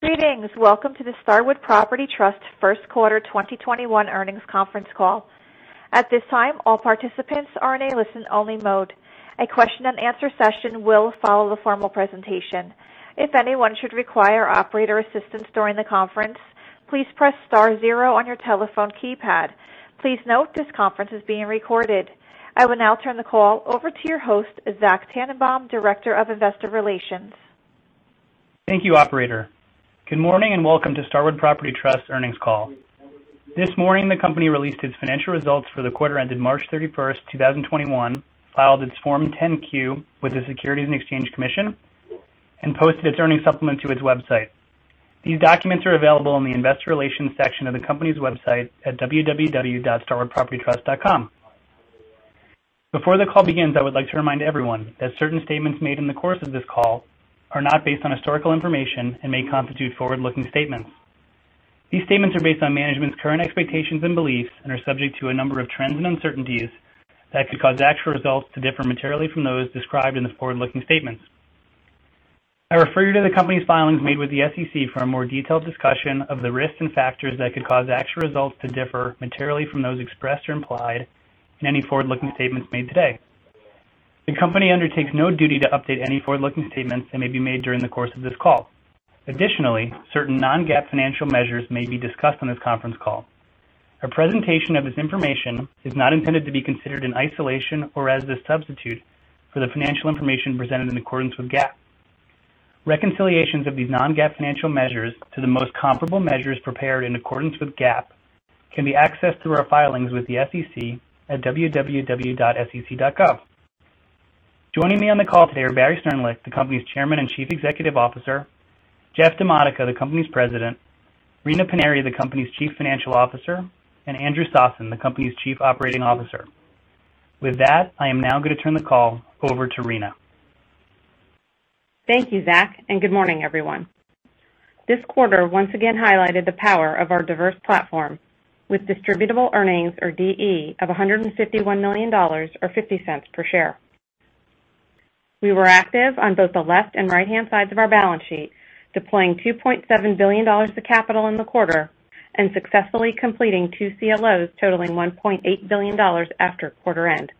Greetings. Welcome to the Starwood Property Trust first quarter 2021 earnings conference call. At this time, all participants are in a listen-only mode. A question and answer session will follow the formal presentation. If anyone should require operator assistance during the conference, please press star zero on your telephone keypad. Please note this conference is being recorded. I will now turn the call over to your host, Zachary Tanenbaum, Director of Investor Relations. Thank you, operator. Good morning and welcome to Starwood Property Trust earnings call. This morning, the company released its financial results for the quarter ended March 31st 2021, filed its Form 10-Q with the Securities and Exchange Commission, and posted its earnings supplement to its website. These documents are available in the Investor Relations section of the company's website at www.starwoodpropertytrust.com. Before the call begins, I would like to remind everyone that certain statements made in the course of this call are not based on historical information and may constitute forward-looking statements. These statements are based on management's current expectations and beliefs and are subject to a number of trends and uncertainties that could cause actual results to differ materially from those described in the forward-looking statements. I refer you to the company's filings made with the SEC for a more detailed discussion of the risks and factors that could cause actual results to differ materially from those expressed or implied in any forward-looking statements made today. The company undertakes no duty to update any forward-looking statements that may be made during the course of this call. Additionally, certain non-GAAP financial measures may be discussed on this conference call. A presentation of this information is not intended to be considered in isolation or as a substitute for the financial information presented in accordance with GAAP. Reconciliations of these non-GAAP financial measures to the most comparable measures prepared in accordance with GAAP can be accessed through our filings with the SEC at www.sec.gov. Joining me on the call today are Barry Sternlicht, the company's Chairman and Chief Executive Officer, Jeffrey F. DiModica, the company's President, Rina Paniry, the company's Chief Financial Officer, and Andrew Sossen, the company's Chief Operating Officer. With that, I am now going to turn the call over to Rina. Thank you, Zachary. Good morning, everyone. This quarter once again highlighted the power of our diverse platform with distributable earnings, or DE, of $151 million, or $0.50 per share. We were active on both the left and right-hand sides of our balance sheet, deploying $2.7 billion of capital in the quarter, and successfully completing two CLOs totaling $1.8 billion after quarter end.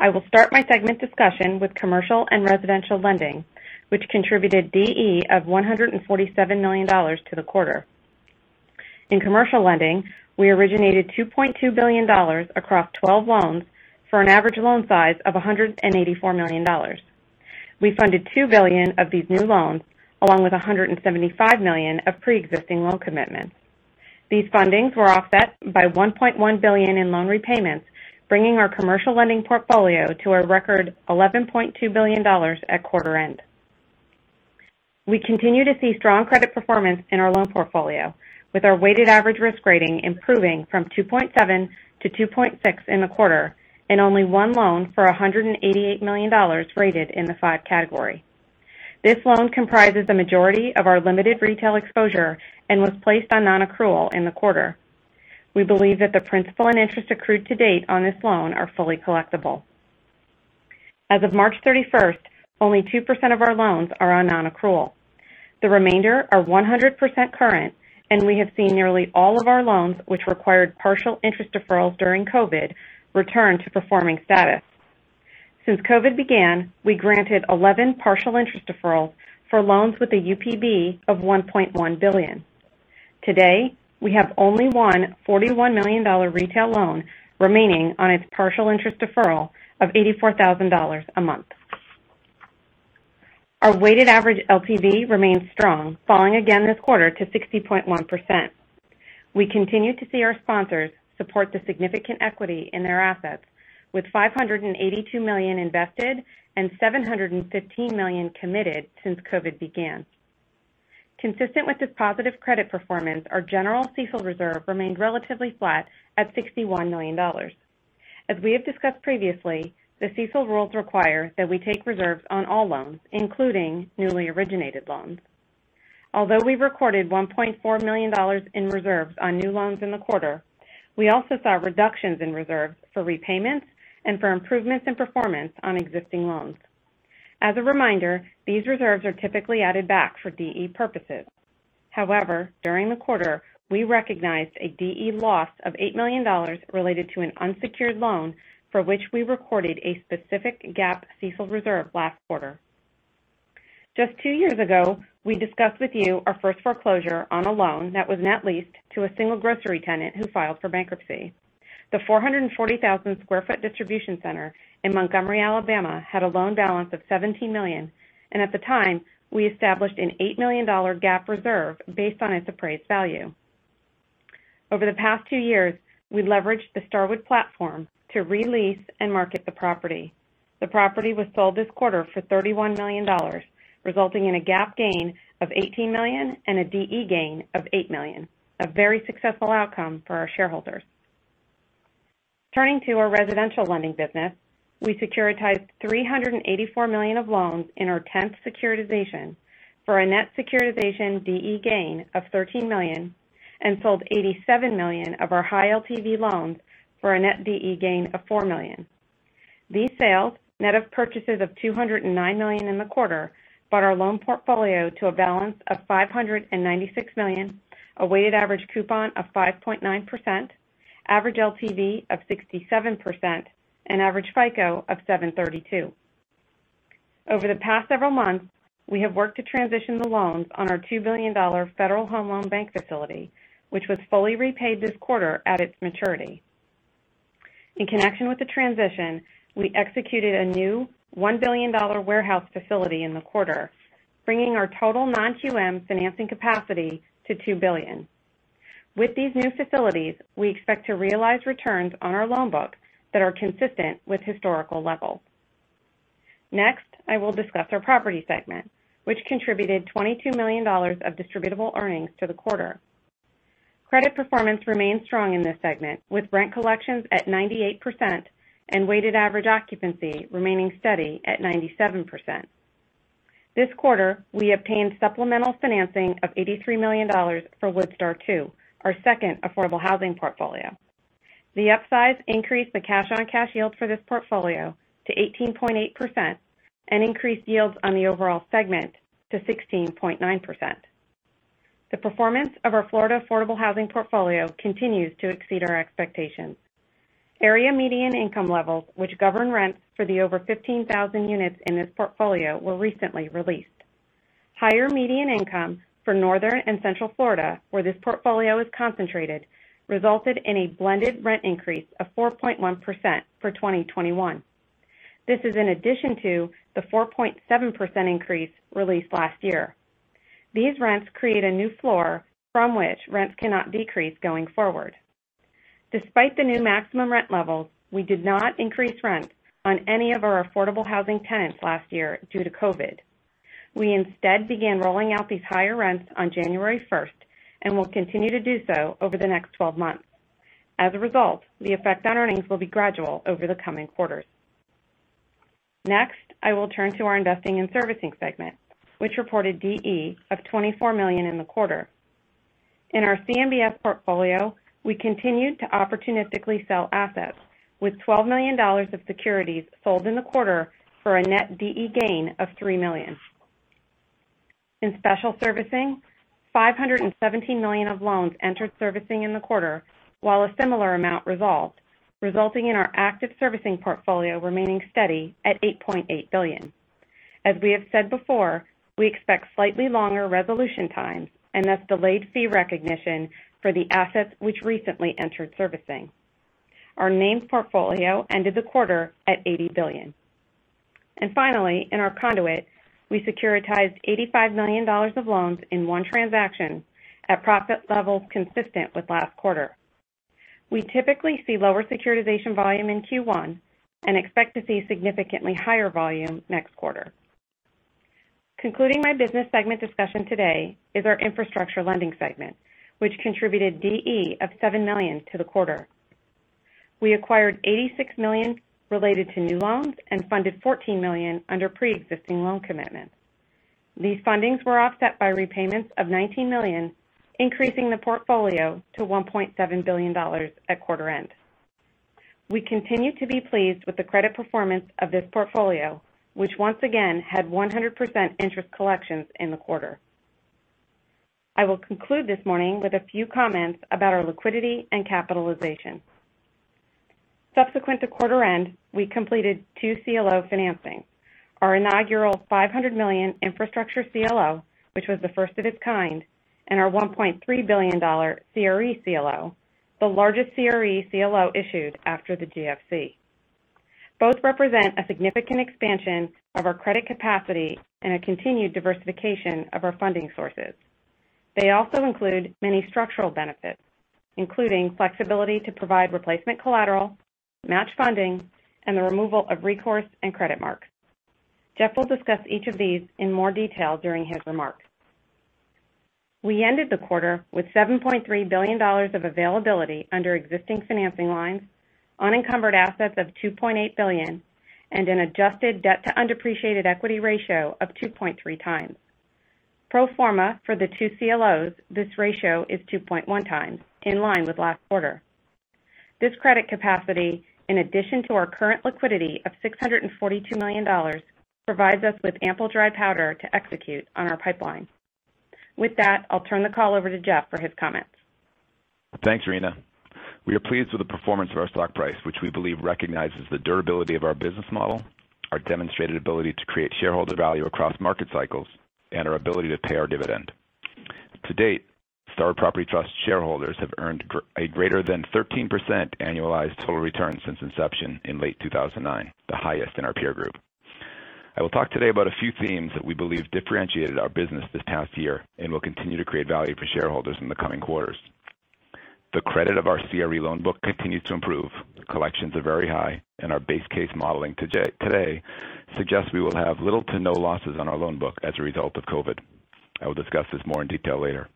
I will start my segment discussion with commercial and residential lending, which contributed DE of $147 million to the quarter. In commercial lending, we originated $2.2 billion across 12 loans for an average loan size of $184 million. We funded $2 billion of these new loans, along with $175 million of preexisting loan commitments. These fundings were offset by $1.1 billion in loan repayments, bringing our commercial lending portfolio to a record $11.2 billion at quarter end. We continue to see strong credit performance in our loan portfolio, with our weighted average risk rating improving from 2.7-2.6 in the quarter and only one loan for $188 million rated in the 5 category. This loan comprises the majority of our limited retail exposure and was placed on non-accrual in the quarter. We believe that the principal and interest accrued to date on this loan are fully collectible. As of March 31st, only 2% of our loans are on non-accrual. The remainder are 100% current, and we have seen nearly all of our loans, which required partial interest deferrals during COVID, return to performing status. Since COVID began, we granted 11 partial interest deferrals for loans with a UPB of $1.1 billion. Today, we have only 1 $41 million retail loan remaining on its partial interest deferral of $84,000 a month. Our weighted average LTV remains strong, falling again this quarter to 60.1%. We continue to see our sponsors support the significant equity in their assets with $582 million invested and $715 million committed since COVID began. Consistent with this positive credit performance, our general CECL reserve remained relatively flat at $61 million. As we have discussed previously, the CECL rules require that we take reserves on all loans, including newly originated loans. Although we recorded $1.4 million in reserves on new loans in the quarter, we also saw reductions in reserves for repayments and for improvements in performance on existing loans. As a reminder, these reserves are typically added back for DE purposes. However, during the quarter, we recognized a DE loss of $8 million related to an unsecured loan for which we recorded a specific GAAP CECL reserve last quarter. Just two years ago, we discussed with you our first foreclosure on a loan that was net leased to a single grocery tenant who filed for bankruptcy. The 440,000 sq ft distribution center in Montgomery, Alabama, had a loan balance of $17 million, and at the time, we established an $8 million GAAP reserve based on its appraised value. Over the past two years, we leveraged the Starwood platform to re-lease and market the property. The property was sold this quarter for $31 million, resulting in a GAAP gain of $18 million and a DE gain of $8 million, a very successful outcome for our shareholders. Turning to our residential lending business, we securitized $384 million of loans in our 10th securitization for a net securitization DE gain of $13 million and sold $87 million of our high LTV loans for a net DE gain of $4 million. These sales, net of purchases of $209 million in the quarter, brought our loan portfolio to a balance of $596 million, a weighted average coupon of 5.9%, average LTV of 67%, and average FICO of 732. Over the past several months, we have worked to transition the loans on our $2 billion Federal Home Loan Bank facility, which was fully repaid this quarter at its maturity. In connection with the transition, we executed a new $1 billion warehouse facility in the quarter, bringing our total non-QM financing capacity to $2 billion. With these new facilities, we expect to realize returns on our loan book that are consistent with historical levels. Next, I will discuss our property segment, which contributed $22 million of distributable earnings to the quarter. Credit performance remained strong in this segment, with rent collections at 98% and weighted average occupancy remaining steady at 97%. This quarter, we obtained supplemental financing of $83 million for Woodstar II, our second affordable housing portfolio. The upsize increased the cash-on-cash yield for this portfolio to 18.8% and increased yields on the overall segment to 16.9%. The performance of our Florida affordable housing portfolio continues to exceed our expectations. Area median income levels, which govern rents for the over 15,000 units in this portfolio, were recently released. Higher median income for Northern and Central Florida, where this portfolio is concentrated, resulted in a blended rent increase of 4.1% for 2021. This is in addition to the 4.7% increase released last year. These rents create a new floor from which rents cannot decrease going forward. Despite the new maximum rent levels, we did not increase rents on any of our affordable housing tenants last year due to COVID. We instead began rolling out these higher rents on January 1st and will continue to do so over the next 12 months. As a result, the effect on earnings will be gradual over the coming quarters. Next, I will turn to our investing and servicing segment, which reported DE of $24 million in the quarter. In our CMBS portfolio, we continued to opportunistically sell assets, with $12 million of securities sold in the quarter for a net DE gain of $3 million. In special servicing, $517 million of loans entered servicing in the quarter, while a similar amount resolved, resulting in our active servicing portfolio remaining steady at $8.8 billion. As we have said before, we expect slightly longer resolution times and thus delayed fee recognition for the assets which recently entered servicing. Our named servicing portfolio ended the quarter at $80 billion. Finally, in our conduit, we securitized $85 million of loans in one transaction at profit levels consistent with last quarter. We typically see lower securitization volume in Q1 and expect to see significantly higher volume next quarter. Concluding my business segment discussion today is our infrastructure lending segment, which contributed DE of $7 million to the quarter. We acquired $86 million related to new loans and funded $14 million under preexisting loan commitments. These fundings were offset by repayments of $19 million, increasing the portfolio to $1.7 billion at quarter end. We continue to be pleased with the credit performance of this portfolio, which once again had 100% interest collections in the quarter. I will conclude this morning with a few comments about our liquidity and capitalization. Subsequent to quarter end, we completed two CLO financings. Our inaugural $500 million infrastructure CLO, which was the first of its kind, and our $1.3 billion CRE CLO, the largest CRE CLO issued after the GFC. Both represent a significant expansion of our credit capacity and a continued diversification of our funding sources. They also include many structural benefits, including flexibility to provide replacement collateral, match funding, and the removal of recourse and credit marks. Jeffrey will discuss each of these in more detail during his remarks. We ended the quarter with $7.3 billion of availability under existing financing lines, unencumbered assets of $2.8 billion, and an adjusted debt-to-undepreciated equity ratio of 2.3x. Pro forma for the two CLOs, this ratio is 2.1x, in line with last quarter. This credit capacity, in addition to our current liquidity of $642 million, provides us with ample dry powder to execute on our pipeline. With that, I'll turn the call over to Jeffrey for his comments. Thanks, Rina. We are pleased with the performance of our stock price, which we believe recognizes the durability of our business model, our demonstrated ability to create shareholder value across market cycles, our ability to pay our dividend. To date, Starwood Property Trust shareholders have earned a greater than 13% annualized total return since inception in late 2009, the highest in our peer group. I will talk today about a few themes that we believe differentiated our business this past year and will continue to create value for shareholders in the coming quarters. The credit of our CRE loan book continues to improve. Collections are very high. Our base case modeling today suggests we will have little to no losses on our loan book as a result of COVID. I will discuss this more in detail later.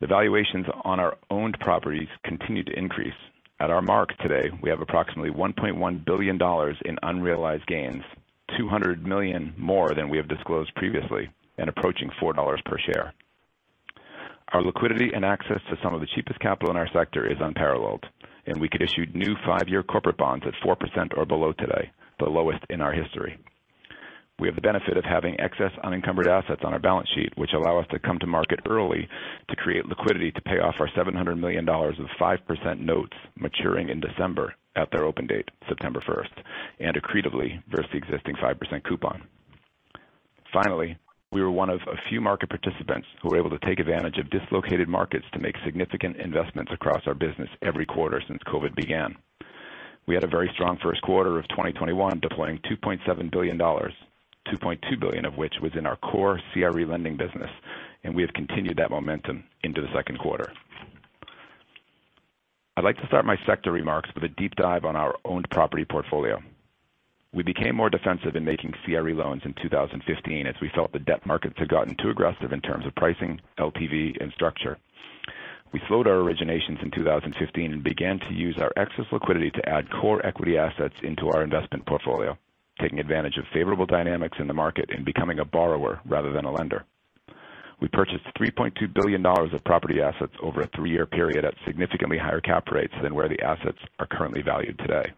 The valuations on our owned properties continue to increase. At our mark today, we have approximately $1.1 billion in unrealized gains, $200 million more than we have disclosed previously, and approaching $4 per share. Our liquidity and access to some of the cheapest capital in our sector is unparalleled. We could issue new five-year corporate bonds at 4% or below today, the lowest in our history. We have the benefit of having excess unencumbered assets on our balance sheet, which allow us to come to market early to create liquidity to pay off our $700 million of 5% notes maturing in December at their open date, September 1st, and accretively versus the existing 5% coupon. We were one of a few market participants who were able to take advantage of dislocated markets to make significant investments across our business every quarter since COVID began. We had a very strong first quarter of 2021, deploying $2.7 billion, $2.2 billion of which was in our core CRE lending business, and we have continued that momentum into the second quarter. I'd like to start my sector remarks with a deep dive on our owned property portfolio. We became more defensive in making CRE loans in 2015 as we felt the debt markets had gotten too aggressive in terms of pricing, LTV, and structure. We slowed our originations in 2015 and began to use our excess liquidity to add core equity assets into our investment portfolio, taking advantage of favorable dynamics in the market and becoming a borrower rather than a lender. We purchased $3.2 billion of property assets over a three-year period at significantly higher cap rates than where the assets are currently valued today.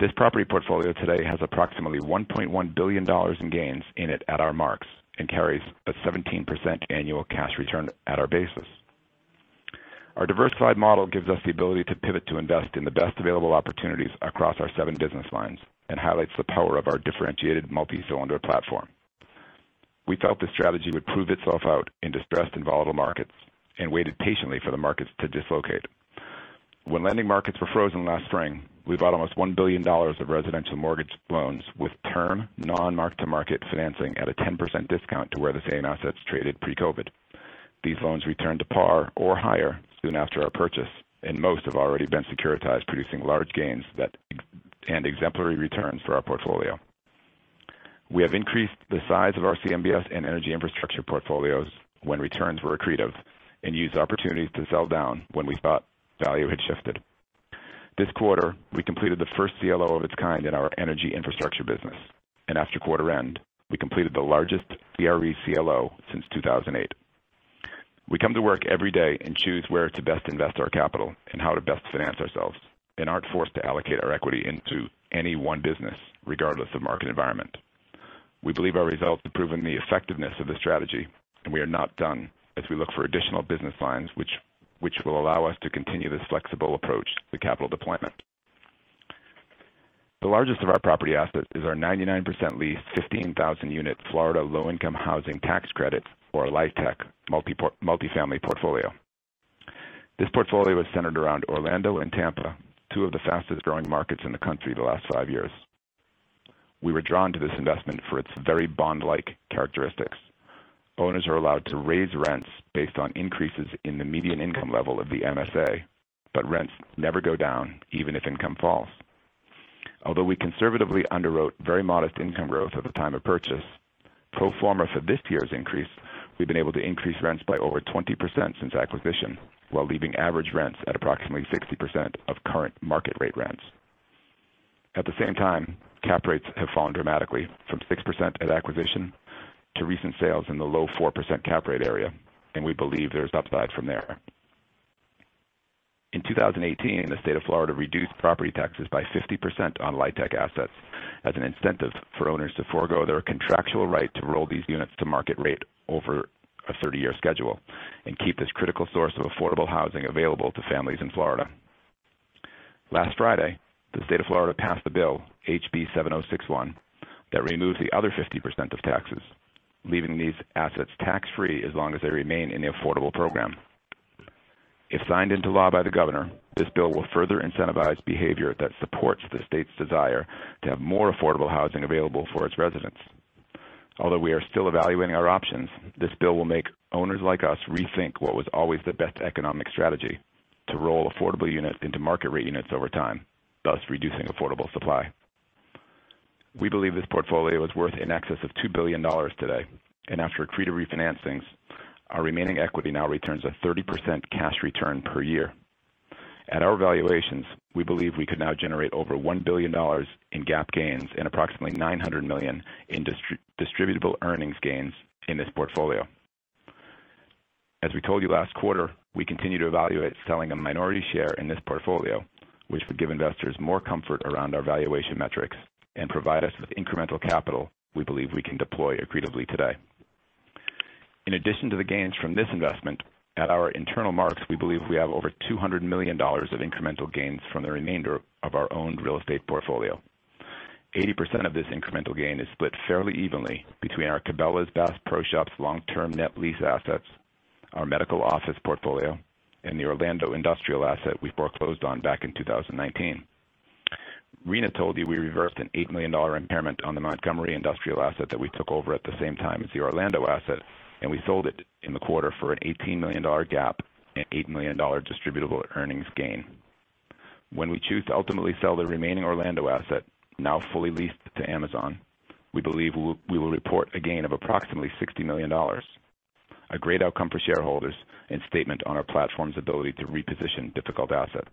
This property portfolio today has approximately $1.1 billion in gains in it at our marks and carries a 17% annual cash return at our basis. Our diversified model gives us the ability to pivot to invest in the best available opportunities across our seven business lines and highlights the power of our differentiated multi-cylinder platform. We felt the strategy would prove itself out in distressed and volatile markets and waited patiently for the markets to dislocate. When lending markets were frozen last spring, we bought almost $1 billion of residential mortgage loans with term non-mark-to-market financing at a 10% discount to where the same assets traded pre-COVID. These loans returned to par or higher soon after our purchase, and most have already been securitized, producing large gains and exemplary returns for our portfolio. We have increased the size of our CMBS and energy infrastructure portfolios when returns were accretive and used opportunities to sell down when we thought value had shifted. This quarter, we completed the first CLO of its kind in our energy infrastructure business. After quarter end, we completed the largest CRE CLO since 2008. We come to work every day and choose where to best invest our capital and how to best finance ourselves and aren't forced to allocate our equity into any one business, regardless of market environment. We believe our results have proven the effectiveness of this strategy. We are not done as we look for additional business lines which will allow us to continue this flexible approach to capital deployment. The largest of our property assets is our 99% leased, 15,000-unit Florida Low-Income Housing Tax credit, or LIHTC, multi-family portfolio. This portfolio is centered around Orlando and Tampa, two of the fastest-growing markets in the country the last five years. We were drawn to this investment for its very bond-like characteristics. Owners are allowed to raise rents based on increases in the median income level of the MSA, but rents never go down, even if income falls. Although we conservatively underwrote very modest income growth at the time of purchase, pro forma for this year's increase, we've been able to increase rents by over 20% since acquisition while leaving average rents at approximately 60% of current market rate rents. At the same time, cap rates have fallen dramatically from 6% at acquisition to recent sales in the low 4% cap rate area, and we believe there's upside from there. In 2018, the state of Florida reduced property taxes by 50% on LIHTC assets as an incentive for owners to forego their contractual right to roll these units to market rate over a 30-year schedule and keep this critical source of affordable housing available to families in Florida. Last Friday, the state of Florida passed the bill HB 7061 that removes the other 50% of taxes, leaving these assets tax-free as long as they remain in the affordable program. If signed into law by the governor, this bill will further incentivize behavior that supports the state's desire to have more affordable housing available for its residents. Although we are still evaluating our options, this bill will make owners like us rethink what was always the best economic strategy, to roll affordable units into market-rate units over time, thus reducing affordable supply. We believe this portfolio is worth in excess of $2 billion today, and after accretive refinancings, our remaining equity now returns a 30% cash return per year. At our valuations, we believe we could now generate over $1 billion in GAAP gains and approximately $900 million in distributable earnings gains in this portfolio. As we told you last quarter, we continue to evaluate selling a minority share in this portfolio, which would give investors more comfort around our valuation metrics and provide us with incremental capital we believe we can deploy accretively today. In addition to the gains from this investment, at our internal marks, we believe we have over $200 million of incremental gains from the remainder of our owned real estate portfolio. 80% of this incremental gain is split fairly evenly between our Cabela's/Bass Pro Shops long-term net lease assets, our medical office portfolio, and the Orlando industrial asset we foreclosed on back in 2019. Rina told you we reversed an $8 million impairment on the Montgomery Industrial asset that we took over at the same time as the Orlando asset, and we sold it in the quarter for an $18 million GAAP and $8 million distributable earnings gain. When we choose to ultimately sell the remaining Orlando asset, now fully leased to Amazon, we believe we will report a gain of approximately $60 million. A great outcome for shareholders and statement on our platform's ability to reposition difficult assets.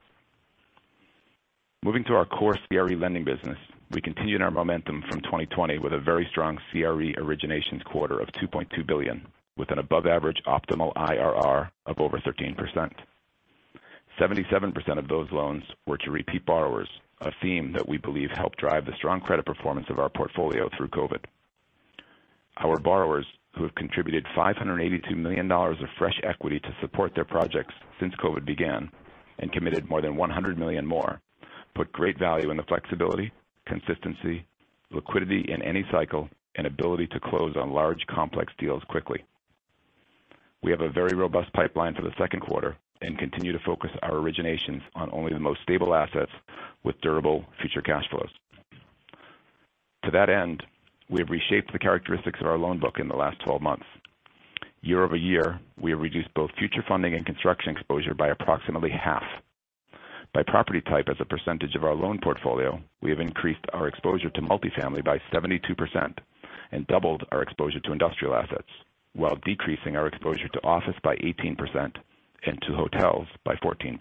Moving to our core CRE lending business, we continued our momentum from 2020 with a very strong CRE originations quarter of $2.2 billion, with an above average optimal IRR of over 13%. 77% of those loans were to repeat borrowers, a theme that we believe helped drive the strong credit performance of our portfolio through COVID. Our borrowers, who have contributed $582 million of fresh equity to support their projects since COVID began, and committed more than $100 million more, put great value in the flexibility, consistency, liquidity in any cycle, and ability to close on large, complex deals quickly. We have a very robust pipeline for the second quarter and continue to focus our originations on only the most stable assets with durable future cash flows. To that end, we have reshaped the characteristics of our loan book in the last 12 months. Year-over-year, we have reduced both future funding and construction exposure by approximately half. By property type as a percentage of our loan portfolio, we have increased our exposure to multifamily by 72% and doubled our exposure to industrial assets while decreasing our exposure to office by 18% and to hotels by 14%.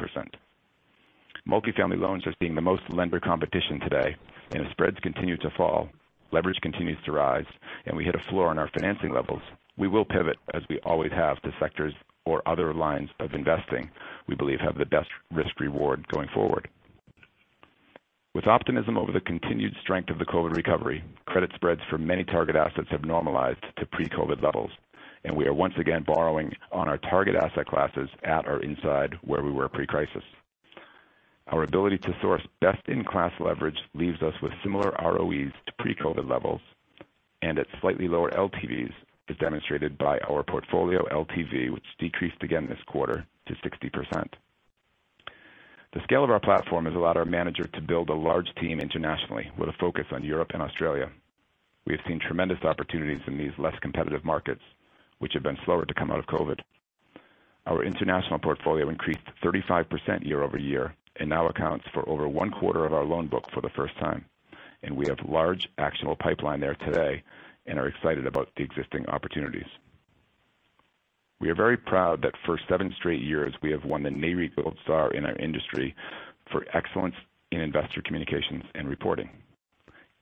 Multifamily loans are seeing the most lender competition today, and as spreads continue to fall, leverage continues to rise, and we hit a floor on our financing levels, we will pivot as we always have to sectors or other lines of investing we believe have the best risk-reward going forward. With optimism over the continued strength of the COVID recovery, credit spreads for many target assets have normalized to pre-COVID levels, and we are once again borrowing on our target asset classes at or inside where we were pre-crisis. Our ability to source best-in-class leverage leaves us with similar ROEs to pre-COVID levels and at slightly lower LTVs, as demonstrated by our portfolio LTV, which decreased again this quarter to 60%. The scale of our platform has allowed our manager to build a large team internationally with a focus on Europe and Australia. We have seen tremendous opportunities in these less competitive markets, which have been slower to come out of COVID. Our international portfolio increased 35% year-over-year and now accounts for over one quarter of our loan book for the first time. We have large actionable pipeline there today and are excited about the existing opportunities. We are very proud that for seven straight years, we have won the Nareit Gold Star in our industry for excellence in investor communications and reporting.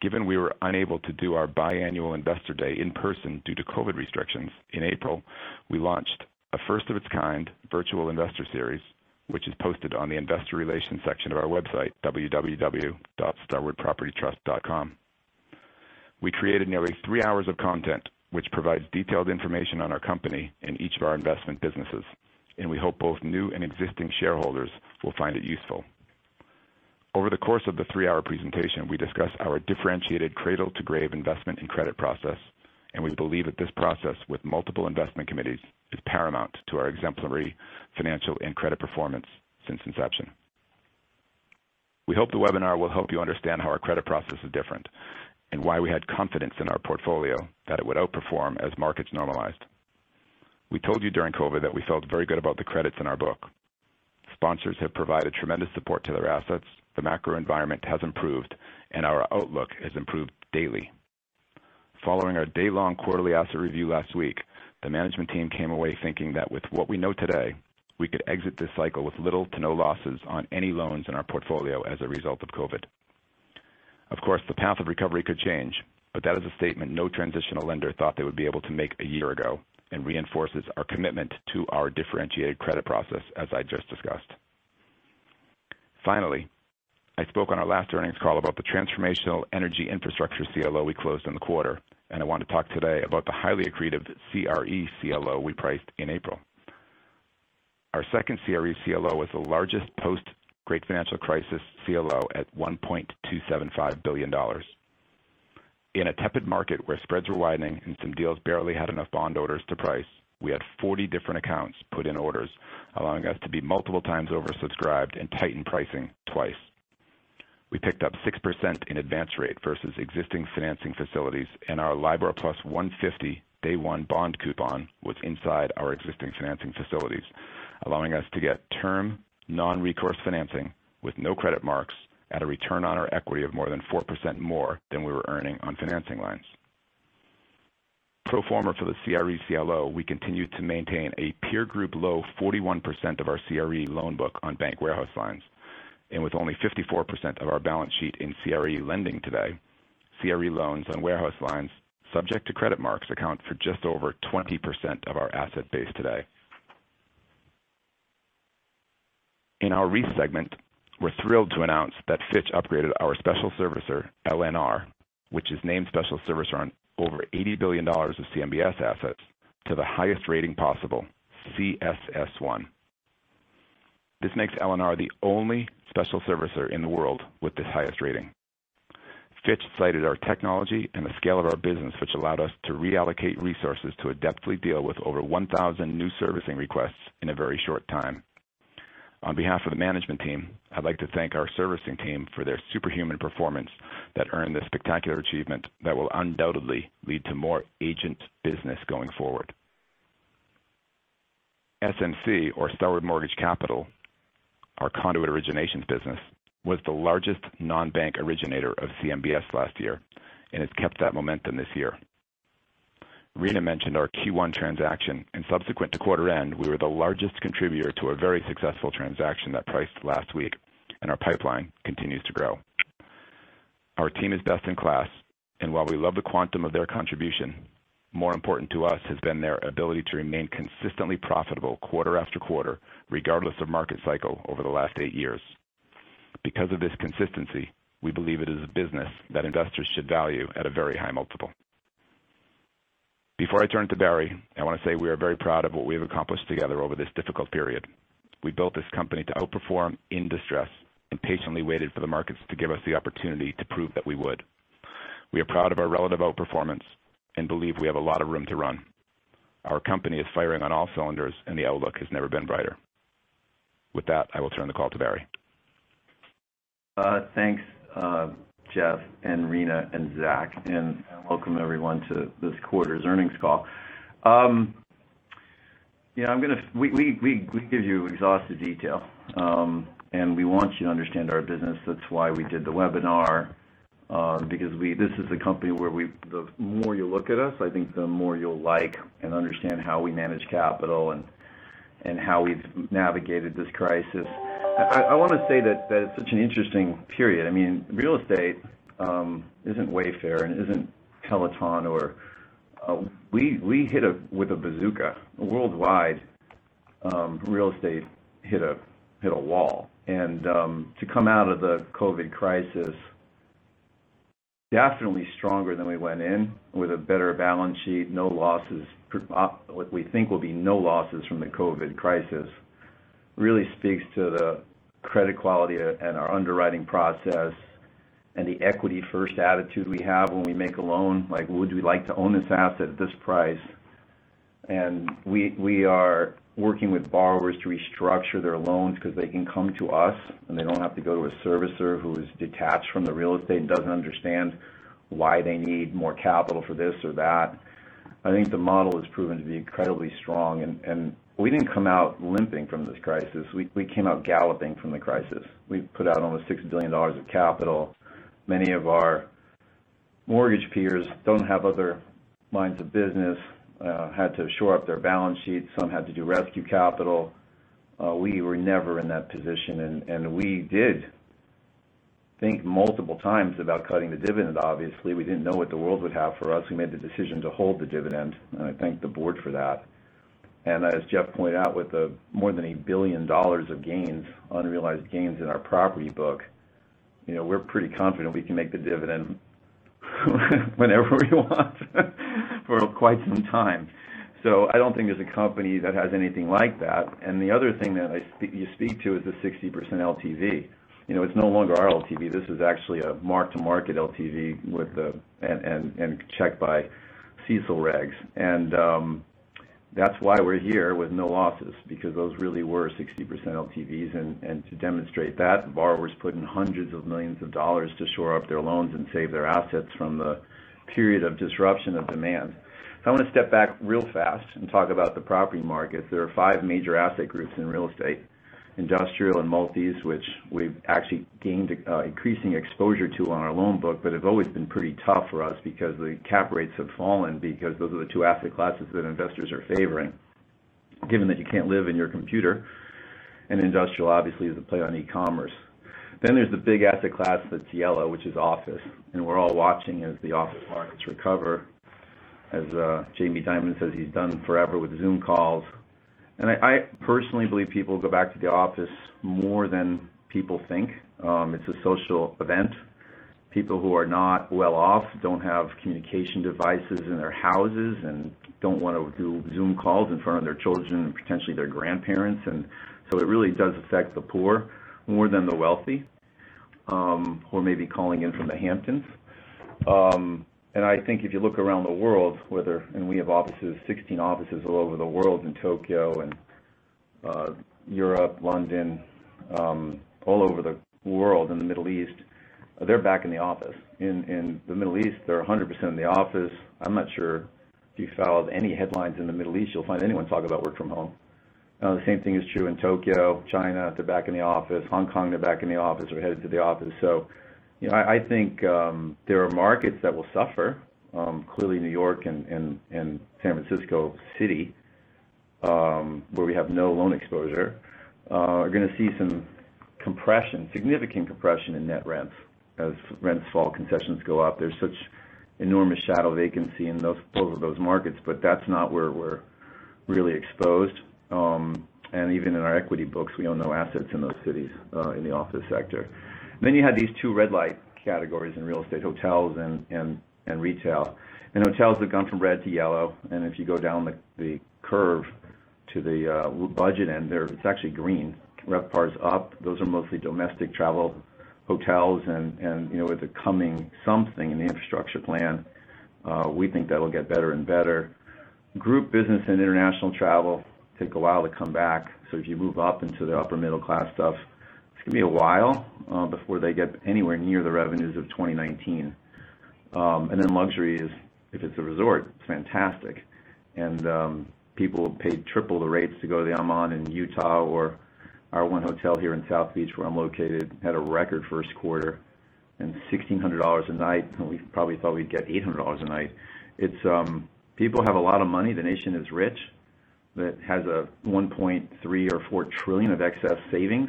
Given we were unable to do our biannual investor day in person due to COVID restrictions, in April, we launched a first-of-its-kind virtual investor series, which is posted on the investor relations section of our website, www.starwoodpropertytrust.com. We created nearly three hours of content which provides detailed information on our company in each of our investment businesses, and we hope both new and existing shareholders will find it useful. Over the course of the three-hour presentation, we discussed our differentiated cradle-to-grave investment and credit process, and we believe that this process with multiple investment committees is paramount to our exemplary financial and credit performance since inception. We hope the webinar will help you understand how our credit process is different and why we had confidence in our portfolio that it would outperform as markets normalized. We told you during COVID that we felt very good about the credits in our book. Sponsors have provided tremendous support to their assets, the macro environment has improved, and our outlook has improved daily. Following our day-long quarterly asset review last week, the management team came away thinking that with what we know today, we could exit this cycle with little to no losses on any loans in our portfolio as a result of COVID. Of course, the path of recovery could change, but that is a statement no transitional lender thought they would be able to make a year ago and reinforces our commitment to our differentiated credit process, as I just discussed. I spoke on our last earnings call about the transformational energy infrastructure CLO we closed in the quarter, and I want to talk today about the highly accretive CRE CLO we priced in April. Our second CRE CLO was the largest post-Great Financial Crisis CLO at $1.275 billion. In a tepid market where spreads were widening and some deals barely had enough bond orders to price, we had 40 different accounts put in orders, allowing us to be multiple times oversubscribed and tighten pricing twice. We picked up 6% in advance rate versus existing financing facilities, and our LIBOR plus 150 day one bond coupon was inside our existing financing facilities, allowing us to get term non-recourse financing with no credit marks at a return on our equity of more than 4% more than we were earning on financing lines. Pro forma for the CRE CLO, we continued to maintain a peer group low 41% of our CRE loan book on bank warehouse lines. With only 54% of our balance sheet in CRE lending today, CRE loans on warehouse lines subject to credit marks account for just over 20% of our asset base today. In our REIT segment, we're thrilled to announce that Fitch upgraded our special servicer, LNR, which is named special servicer on over $80 billion of CMBS assets, to the highest rating possible, CSS1. This makes LNR the only special servicer in the world with this highest rating. Fitch cited our technology and the scale of our business, which allowed us to reallocate resources to adeptly deal with over 1,000 new servicing requests in a very short time. On behalf of the management team, I'd like to thank our servicing team for their superhuman performance that earned this spectacular achievement that will undoubtedly lead to more agent business going forward. SMC or Starwood Mortgage Capital, our conduit originations business, was the largest non-bank originator of CMBS last year, and it's kept that momentum this year. Rina mentioned our Q1 transaction and subsequent to quarter end, we were the largest contributor to a very successful transaction that priced last week, and our pipeline continues to grow. Our team is best in class, and while we love the quantum of their contribution, more important to us has been their ability to remain consistently profitable quarter after quarter, regardless of market cycle over the last eight years. Because of this consistency, we believe it is a business that investors should value at a very high multiple. Before I turn to Barry, I want to say we are very proud of what we have accomplished together over this difficult period. We built this company to outperform in distress and patiently waited for the markets to give us the opportunity to prove that we would. We are proud of our relative outperformance and believe we have a lot of room to run. Our company is firing on all cylinders, and the outlook has never been brighter. With that, I will turn the call to Barry. Thanks, Jeffrey and Rina and Zachary, and welcome everyone to this quarter's earnings call. We give you exhaustive detail. We want you to understand our business. That's why we did the webinar. This is a company where the more you look at us, I think the more you'll like and understand how we manage capital and how we've navigated this crisis. I want to say that it's such an interesting period. I mean, real estate isn't Wayfair and isn't Peloton. We hit with a bazooka. Worldwide, real estate hit a wall. To come out of the COVID crisis definitely stronger than we went in, with a better balance sheet, what we think will be no losses from the COVID crisis, really speaks to the credit quality and our underwriting process and the equity-first attitude we have when we make a loan. Like would we like to own this asset at this price? We are working with borrowers to restructure their loans because they can come to us and they don't have to go to a servicer who is detached from the real estate and doesn't understand why they need more capital for this or that. I think the model has proven to be incredibly strong. We didn't come out limping from this crisis. We came out galloping from the crisis. We put out almost $6 billion of capital. Many of our mortgage peers don't have other lines of business, had to shore up their balance sheets. Some had to do rescue capital. We were never in that position, and we did think multiple times about cutting the dividend. Obviously, we didn't know what the world would have for us. We made the decision to hold the dividend, and I thank the board for that. As Jeffrey pointed out, with more than $1 billion of unrealized gains in our property book, we're pretty confident we can make the dividend whenever we want for quite some time. I don't think there's a company that has anything like that. The other thing that you speak to is the 60% LTV. It's no longer our LTV. This is actually a mark-to-market LTV and checked by CECL regs. That's why we're here with no losses, because those really were 60% LTVs. To demonstrate that, the borrowers put in hundreds of millions of dollars to shore up their loans and save their assets from the period of disruption of demand. If I want to step back real fast and talk about the property markets, there are five major asset groups in real estate. Industrial and multis, which we've actually gained increasing exposure to on our loan book, but have always been pretty tough for us because the cap rates have fallen, because those are the two asset classes that investors are favoring. Given that you can't live in your computer, industrial obviously is a play on e-commerce. There's the big asset class that's yellow, which is office. We're all watching as the office markets recover. As Jamie Dimon says he's done forever with Zoom calls. I personally believe people go back to the office more than people think. It's a social event. People who are not well off don't have communication devices in their houses and don't want to do Zoom calls in front of their children and potentially their grandparents. It really does affect the poor more than the wealthy who may be calling in from the Hamptons. I think if you look around the world, we have 16 offices all over the world, in Tokyo and Europe, London, all over the world, in the Middle East, they're back in the office. In the Middle East, they're 100% in the office. I'm not sure if you followed any headlines in the Middle East, you'll find anyone talking about work from home. The same thing is true in Tokyo, China. They're back in the office. Hong Kong, they're back in the office or headed to the office. I think there are markets that will suffer. Clearly New York and San Francisco City, where we have no loan exposure, are going to see some significant compression in net rents. As rents fall, concessions go up. There's such enormous shadow vacancy in those markets, that's not where we're really exposed. Even in our equity books, we own no assets in those cities in the office sector. You had these two red light categories in real estate, hotels and retail. Hotels have gone from red to yellow. If you go down the curve to the budget end there, it's actually green. RevPAR's up. Those are mostly domestic travel hotels. With the coming something in the infrastructure plan, we think that'll get better and better. Group business and international travel take a while to come back. If you move up into the upper middle-class stuff, it's going to be a while before they get anywhere near the revenues of 2019. Luxury is, if it's a resort, it's fantastic. People paid triple the rates to go to the Aman in Utah or our 1 Hotel here in South Beach, where I'm located, had a record first quarter and $1,600 a night, and we probably thought we'd get $800 a night. People have a lot of money. The nation is rich. That has a $1.3 or $1.4 trillion of excess savings,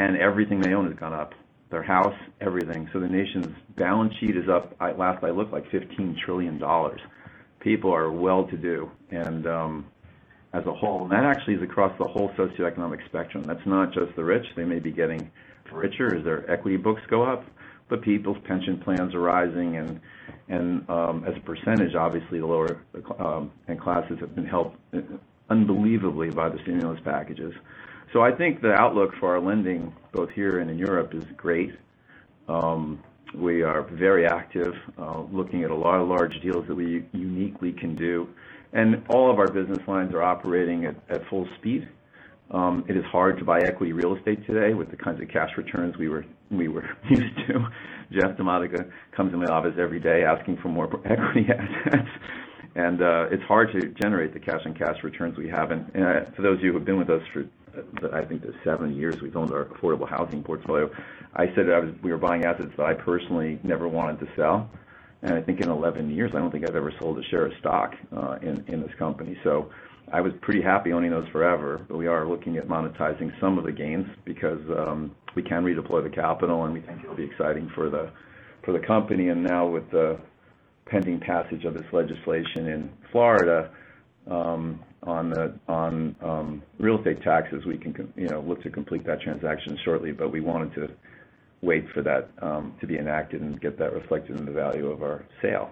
and everything they own has gone up, their house, everything. The nation's balance sheet is up, last I looked, like $15 trillion. People are well-to-do and as a whole. That actually is across the whole socioeconomic spectrum. That's not just the rich. They may be getting richer as their equity books go up, but people's pension plans are rising, and as a percentage, obviously, the lower income classes have been helped unbelievably by the stimulus packages. I think the outlook for our lending, both here and in Europe, is great. We are very active, looking at a lot of large deals that we uniquely can do, and all of our business lines are operating at full speed. It is hard to buy equity real estate today with the kinds of cash returns we were used to. Jeffrey F. DiModica comes in my office every day asking for more equity assets. It's hard to generate the cash and cash returns we have. For those of you who have been with us for, I think, the seven years we've owned our affordable housing portfolio, I said we were buying assets that I personally never wanted to sell. I think in 11 years, I don't think I've ever sold a share of stock in this company. I was pretty happy owning those forever. We are looking at monetizing some of the gains because we can redeploy the capital, and we think it'll be exciting for the company. Now with the pending passage of this legislation in Florida on real estate taxes, we can look to complete that transaction shortly. We wanted to wait for that to be enacted and get that reflected in the value of our sale.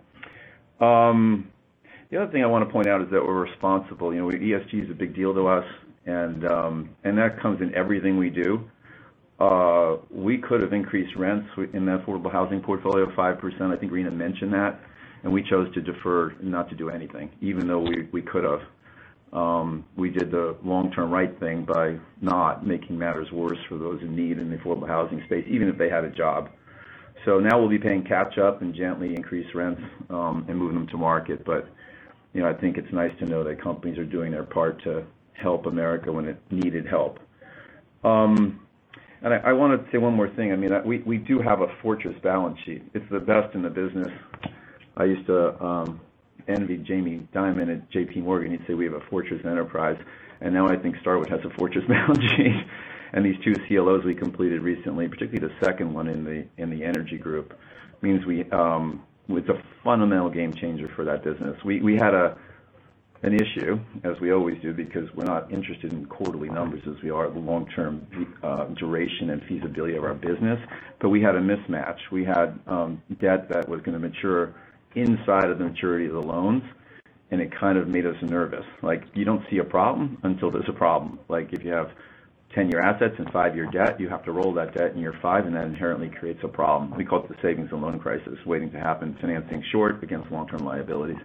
The other thing I want to point out is that we're responsible. ESG is a big deal to us, and that comes in everything we do. We could have increased rents in the affordable housing portfolio 5%. I think Rina mentioned that. We chose to defer and not to do anything, even though we could have. We did the long-term right thing by not making matters worse for those in need in the affordable housing space, even if they had a job. Now we'll be playing catch up and gently increase rents and move them to market. I think it's nice to know that companies are doing their part to help America when it needed help. I want to say one more thing. We do have a fortress balance sheet. It's the best in the business. I used to envy Jamie Dimon at JPMorgan. He'd say, "We have a fortress enterprise." Now I think Starwood has a fortress balance sheet. These two CLOs we completed recently, particularly the second one in the energy group, means it's a fundamental game changer for that business. We had an issue, as we always do, because we're not interested in quarterly numbers as we are the long-term duration and feasibility of our business. We had a mismatch. We had debt that was going to mature inside of the maturity of the loans, and it kind of made us nervous. You don't see a problem until there's a problem. If you have 10-year assets and five-year debt, you have to roll that debt in year five, and that inherently creates a problem. We call it the savings and loan crisis waiting to happen, financing short against long-term liabilities.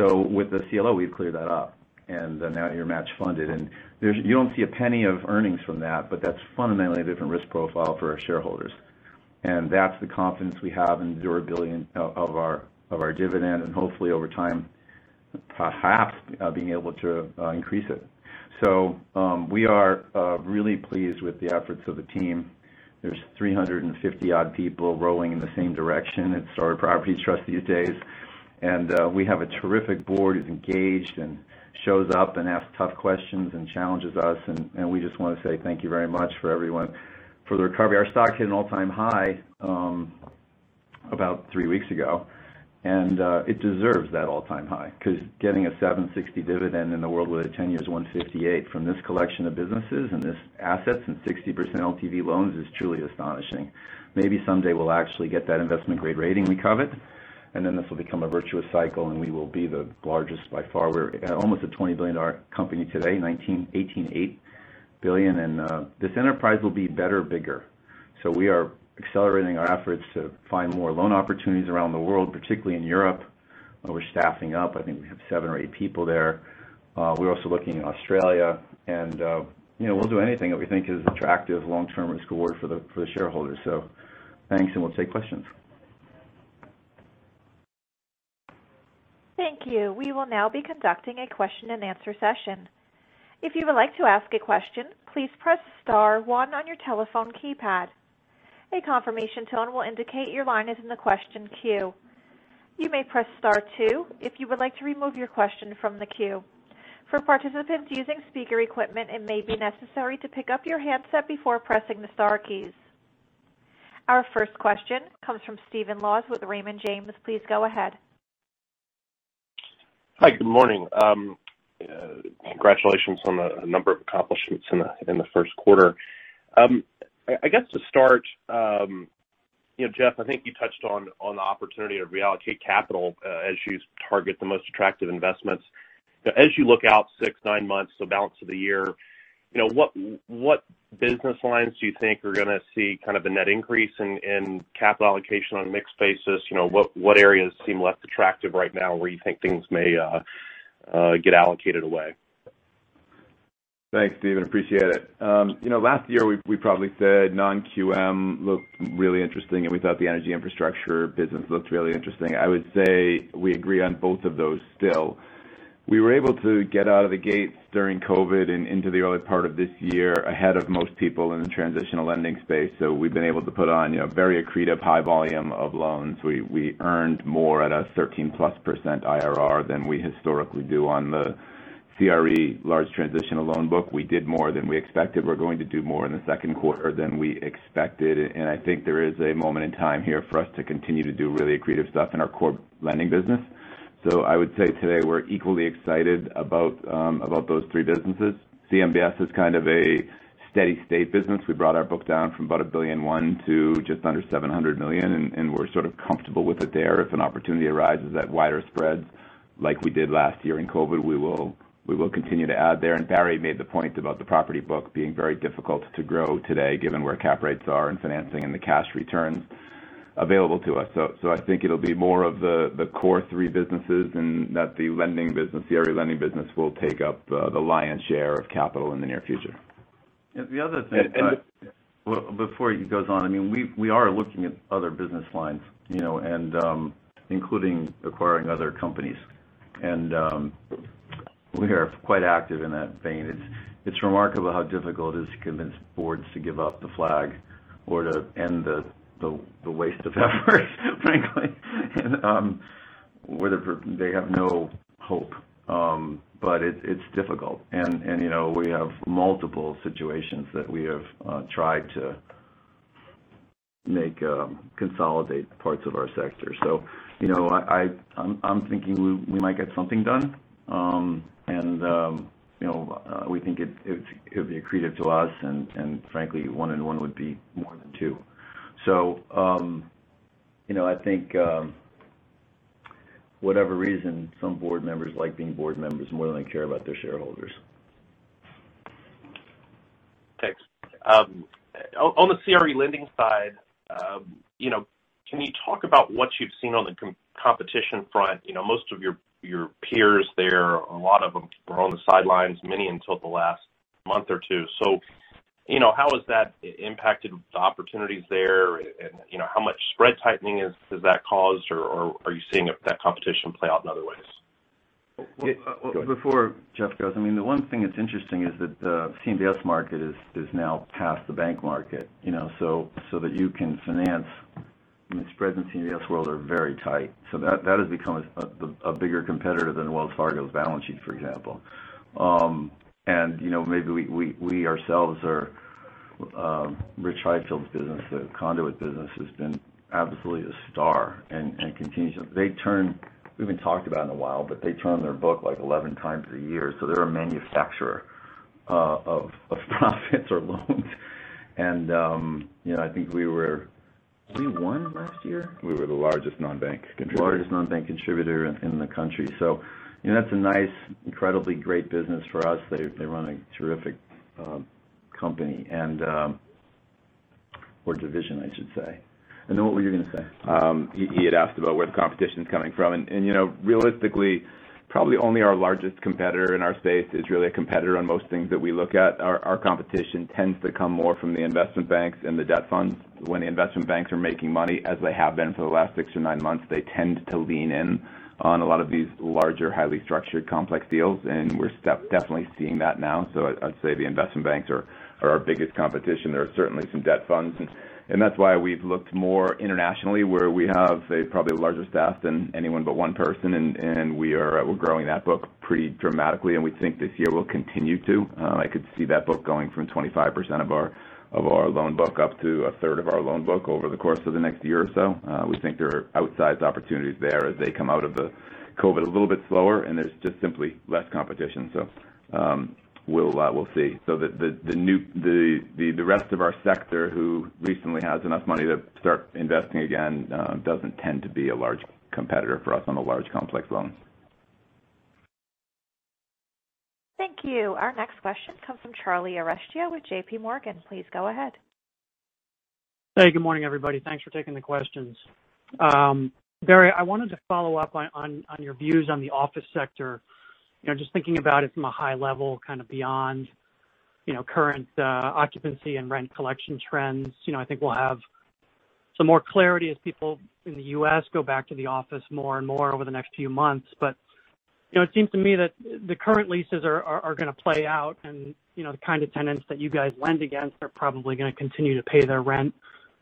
With the CLO, we've cleared that up, and now you're match funded. You don't see a penny of earnings from that, but that's fundamentally a different risk profile for our shareholders. That's the confidence we have in the durability of our dividend and hopefully, over time, perhaps being able to increase it. We are really pleased with the efforts of the team. There's 350-odd people rowing in the same direction at Starwood Property Trust these days, and we have a terrific board who's engaged and shows up and asks tough questions and challenges us, and we just want to say thank you very much for everyone for the recovery. Our stock hit an all-time high about three weeks ago. It deserves that all-time high because getting a (7.6%) dividend in the world with a 10-year is 1.68% from this collection of businesses and these assets and 60% LTV loans is truly astonishing. Maybe someday we'll actually get that investment-grade rating we covet. Then this will become a virtuous cycle. We will be the largest by far. We're almost a $20 billion company today, $18.8 billion. This enterprise will be better bigger. We are accelerating our efforts to find more loan opportunities around the world, particularly in Europe, where we're staffing up. I think we have seven or eight people there. We're also looking in Australia. We'll do anything that we think is attractive long-term risk reward for the shareholders. Thanks. We'll take questions. Thank you. We will now be conducting a question-and-answer session. If you would like to ask a question, please press star one on your telephone keypad. A confirmation tone will indicate your line is in the question queue. You may press star two if you would like to remove your question from the queue. For participants using speaker equipment, it may be necessary to pick up your handset before pressing the star keys. Our first question comes from Stephen Laws with Raymond James. Please go ahead. Hi. Good morning. Congratulations on a number of accomplishments in the first quarter. I guess to start, Jeff, I think you touched on the opportunity to reallocate capital as you target the most attractive investments. As you look out six, nine months, the balance of the year, what business lines do you think are going to see the net increase in capital allocation on a mix basis? What areas seem less attractive right now where you think things may get allocated away? Thanks, Stephen. Appreciate it. Last year, we probably said non-QM looked really interesting, and we thought the energy infrastructure business looked really interesting. I would say we agree on both of those still. We were able to get out of the gates during COVID and into the early part of this year ahead of most people in the transitional lending space. We've been able to put on very accretive high volume of loans. We earned more at a 13+% IRR than we historically do on the CRE large transitional loan book. We did more than we expected. We're going to do more in the second quarter than we expected, and I think there is a moment in time here for us to continue to do really accretive stuff in our core lending business. I would say today we're equally excited about those three businesses. CMBS is kind of a steady state business. We brought our book down from about $1.1 billion to just under $700 million. We're sort of comfortable with it there. If an opportunity arises at wider spreads, like we did last year in COVID, we will continue to add there. Barry made the point about the property book being very difficult to grow today, given where cap rates are in financing and the cash returns available to us. I think it'll be more of the core three businesses. The CRE lending business will take up the lion's share of capital in the near future. And the other thing- And- Well, before he goes on, we are looking at other business lines, including acquiring other companies. We are quite active in that vein. It's remarkable how difficult it is to convince boards to give up the flag or to end the waste of effort, frankly, and where they have no hope. It's difficult, and we have multiple situations that we have tried to consolidate parts of our sector. I'm thinking we might get something done. We think it would be accretive to us, and frankly, one and one would be more than two. I think whatever reason, some board members like being board members more than they care about their shareholders. Thanks. On the CRE lending side, can you talk about what you've seen on the competition front? Most of your peers there, a lot of them were on the sidelines, many until the last month or two. How has that impacted the opportunities there, and how much spread tightening has that caused, or are you seeing that competition play out in other ways? Well- Go ahead. Before Jeffrey goes, the one thing that's interesting is that the CMBS market is now past the bank market, so that you can finance. I mean, spreads in the CMBS world are very tight. That has become a bigger competitor than Wells Fargo's balance sheet, for example. Maybe we ourselves Rich Highfield's business, the conduit business, has been absolutely a star and continues. We haven't talked about it in a while, but they turn their book 11 times a year, so they're a manufacturer of profits or loans. I think Did we win last year? We were the largest non-bank contributor. Largest non-bank contributor in the country. That's a nice, incredibly great business for us. They run a terrific company, or division, I should say. What were you going to say? He had asked about where the competition's coming from. Realistically, probably only our largest competitor in our space is really a competitor on most things that we look at. Our competition tends to come more from the investment banks than the debt funds. When the investment banks are making money, as they have been for the last six or nine months, they tend to lean in on a lot of these larger, highly structured, complex deals. We're definitely seeing that now. I'd say the investment banks are our biggest competition. There are certainly some debt funds. That's why we've looked more internationally where we have probably a larger staff than anyone but one person. We're growing that book pretty dramatically. We think this year we'll continue to. I could see that book going from 25% of our loan book up to a third of our loan book over the course of the next year or so. We think there are outsized opportunities there as they come out of the COVID a little bit slower, and there's just simply less competition. We'll see. The rest of our sector who recently has enough money to start investing again doesn't tend to be a large competitor for us on the large complex loans. Thank you. Our next question comes from Charlie Arestia with JPMorgan. Please go ahead. Hey, good morning, everybody. Thanks for taking the questions. Barry, I wanted to follow up on your views on the office sector. Thinking about it from a high level, kind of beyond current occupancy and rent collection trends. I think we'll have some more clarity as people in the U.S. go back to the office more and more over the next few months. It seems to me that the current leases are going to play out, and the kind of tenants that you guys lend against are probably going to continue to pay their rent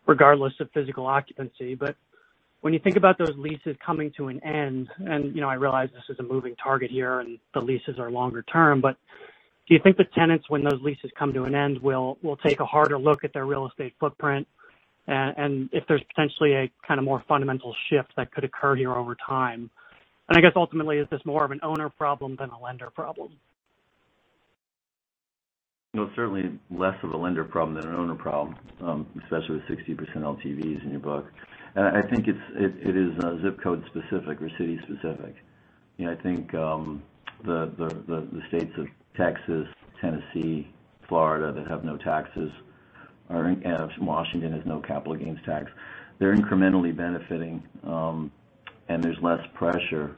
regardless of physical occupancy. When you think about those leases coming to an end, and I realize this is a moving target here and the leases are longer term, but do you think the tenants, when those leases come to an end, will take a harder look at their real estate footprint, and if there's potentially a kind of more fundamental shift that could occur here over time? I guess ultimately, is this more of an owner problem than a lender problem? No, certainly less of a lender problem than an owner problem, especially with 60% LTVs in your book. I think it is zip code specific or city specific. I think the states of Texas, Tennessee, Florida that have no taxes. Washington has no capital gains tax. They're incrementally benefiting, and there's less pressure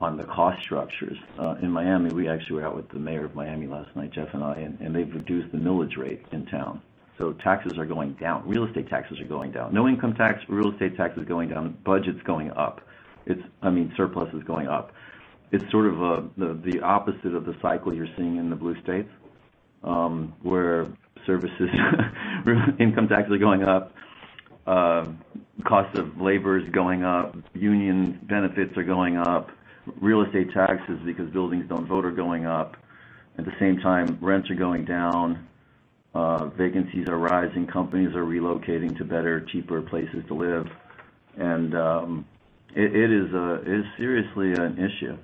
on the cost structures. In Miami, we actually were out with the mayor of Miami last night, Jeffrey and I, and they've reduced the millage rate in town. Taxes are going down. Real estate taxes are going down. No income tax, real estate taxes going down, budget's going up. Surplus is going up. It's sort of the opposite of the cycle you're seeing in the blue states, where services income tax is going up, cost of labor is going up, union benefits are going up, real estate taxes, because buildings don't vote, are going up. At the same time, rents are going down, vacancies are rising, companies are relocating to better, cheaper places to live, and it is seriously an issue.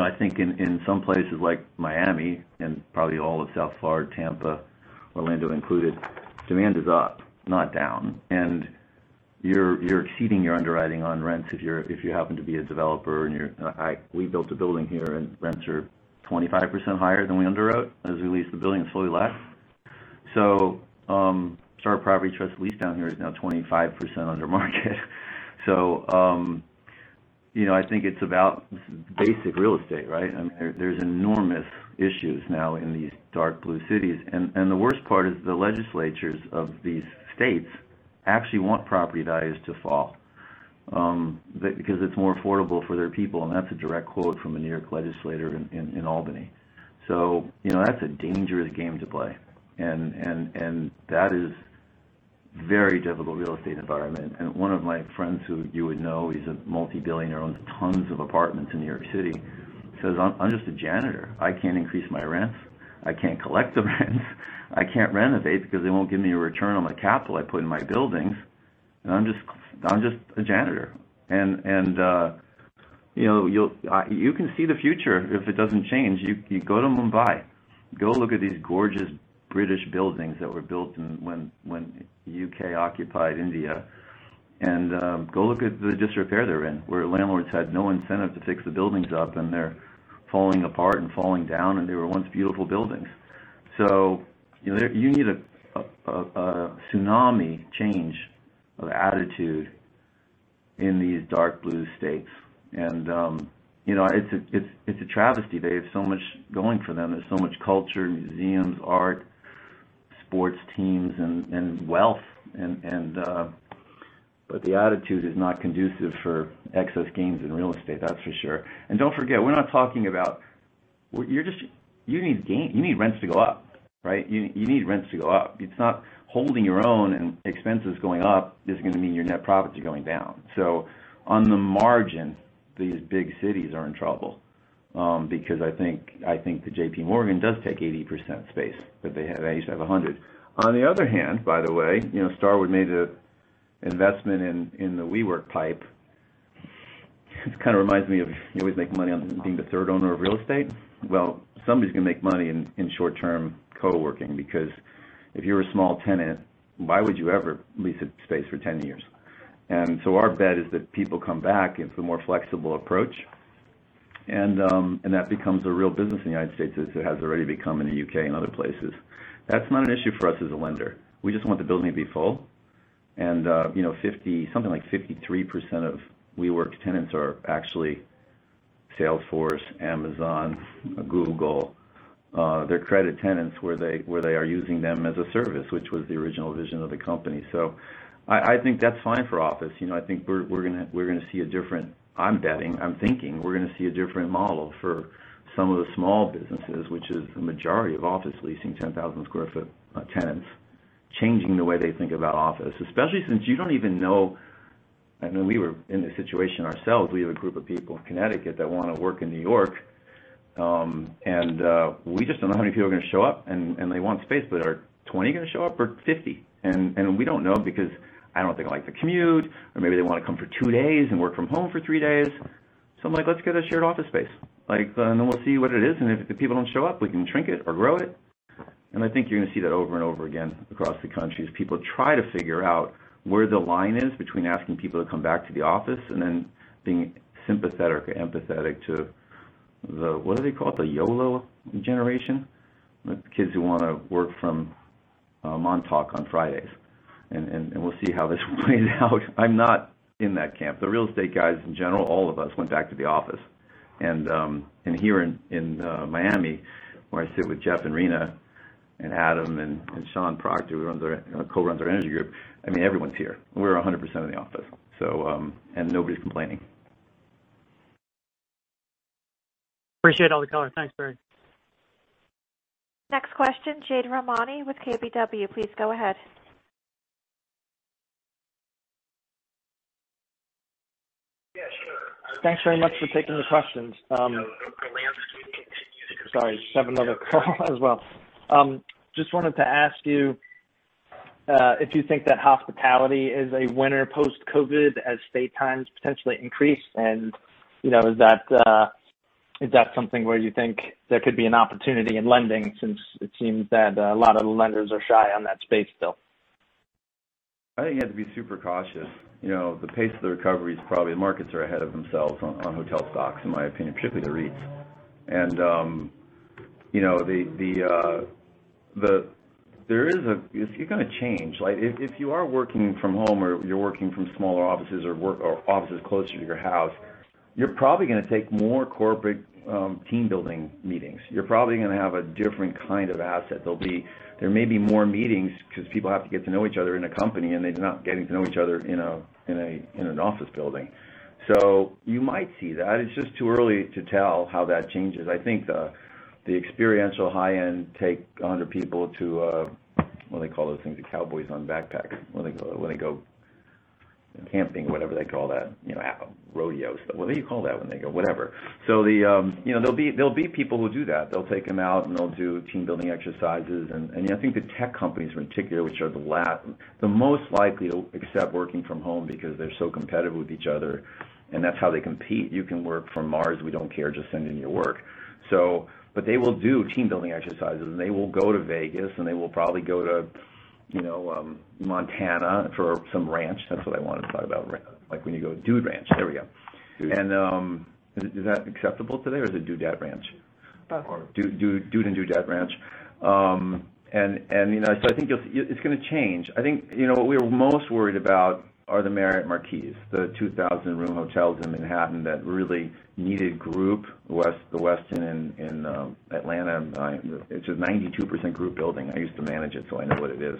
I think in some places like Miami and probably all of South Florida, Tampa, Orlando included, demand is up, not down. You're exceeding your underwriting on rents if you happen to be a developer and We built a building here and rents are 25% higher than we underwrote as we leased the building fully last. Starwood Property Trust lease down here is now 25% under market. I think it's about basic real estate, right? There's enormous issues now in these dark blue cities. The worst part is the legislatures of these states actually want property values to fall, because it's more affordable for their people, and that's a direct quote from a New York legislator in Albany. That's a dangerous game to play, and that is very difficult real estate environment. One of my friends who you would know, he's a multi-billionaire, owns tons of apartments in New York City, says, "I'm just a janitor. I can't increase my rents. I can't collect the rents. I can't renovate because they won't give me a return on the capital I put in my buildings, and I'm just a janitor." You can see the future if it doesn't change. You go to Mumbai, go look at these gorgeous British buildings that were built when U.K. occupied India. Go look at the disrepair they're in, where landlords had no incentive to fix the buildings up and they're falling apart and falling down, and they were once beautiful buildings. You need a tsunami change of attitude in these dark blue states. It's a travesty. They have so much going for them. There's so much culture, museums, art, sports teams, and wealth. The attitude is not conducive for excess gains in real estate, that's for sure. Don't forget, you need rents to go up, right? You need rents to go up. It's not holding your own and expenses going up is going to mean your net profits are going down. On the margin, these big cities are in trouble, because I think that JPMorgan does take 80% space, but they have 85-100. On the other hand, by the way, Starwood made an investment in the WeWork PIPE. This kind of reminds me of you always make money on being the third owner of real estate. Well, somebody's going to make money in short-term co-working because if you're a small tenant, why would you ever lease a space for 10 years? Our bet is that people come back. It's the more flexible approach, and that becomes a real business in the U.S. as it has already become in the U.K. and other places. That's not an issue for us as a lender. We just want the building to be full. Something like 53% of WeWork's tenants are actually Salesforce, Amazon, Google. They're credit tenants where they are using them as a service, which was the original vision of the company. I think that's fine for office. I think we're going to see a different, I'm betting, I'm thinking we're going to see a different model for some of the small businesses, which is the majority of office leasing 10,000 square foot tenants, changing the way they think about office. Especially since you don't even know, I know we were in this situation ourselves. We have a group of people in Connecticut that want to work in New York, we just don't know how many people are going to show up, and they want space. Are 20 going to show up or 50? We don't know because I don't think they like the commute, or maybe they want to come for two days and work from home for three days. I'm like, let's get a shared office space. We'll see what it is, and if the people don't show up, we can shrink it or grow it. I think you're going to see that over and over again across the country as people try to figure out where the line is between asking people to come back to the office and then being sympathetic or empathetic to the, what do they call it, the YOLO generation? The kids who want to work from Montauk on Fridays. We'll see how this plays out. I'm not in that camp. The real estate guys in general, all of us, went back to the office. Here in Miami, where I sit with Jeffrey and Rina and Adam and Sean Murdock, who co-runs our energy group, everyone's here. We're 100% in the office. Nobody's complaining. Appreciate all the color. Thanks, Barry. Next question, Jade Rahmani with KBW. Please go ahead. Yeah, sure. Thanks very much for taking the questions. Sorry, just have another call as well. Just wanted to ask you if you think that hospitality is a winner post-COVID as stay times potentially increase, and is that something where you think there could be an opportunity in lending since it seems that a lot of the lenders are shy on that space still? I think you have to be super cautious. The pace of the recovery is probably the markets are ahead of themselves on hotel stocks, in my opinion, particularly the REITs. You're going to change. If you are working from home or you're working from smaller offices or offices closer to your house, you're probably going to take more corporate team-building meetings. You're probably going to have a different kind of asset. There may be more meetings because people have to get to know each other in a company, and they're not getting to know each other in an office building. You might see that. It's just too early to tell how that changes. I think the experiential high-end take 100 people to, what do they call those things? The cowboys on (horseback) when they go camping, whatever they call that. Rodeos. What do you call that when they go. Whatever. There'll be people who do that. They'll take them out, and they'll do team-building exercises. I think the tech companies, in particular, which are the most likely to accept working from home because they're so competitive with each other, and that's how they compete. You can work from Mars. We don't care. Just send in your work. They will do team-building exercises, and they will go to Vegas, and they will probably go to Montana for some ranch. That's what I wanted to talk about. Like when you go dude ranch. There we go. Dude ranch. Is that acceptable today, or is it dudette ranch? Both. Dude and dudette ranch. I think it's going to change. I think what we're most worried about are the Marriott Marquis, the 2,000-room hotels in Manhattan that really needed group. The Westin in Atlanta, it's a 92% group building. I used to manage it, so I know what it is.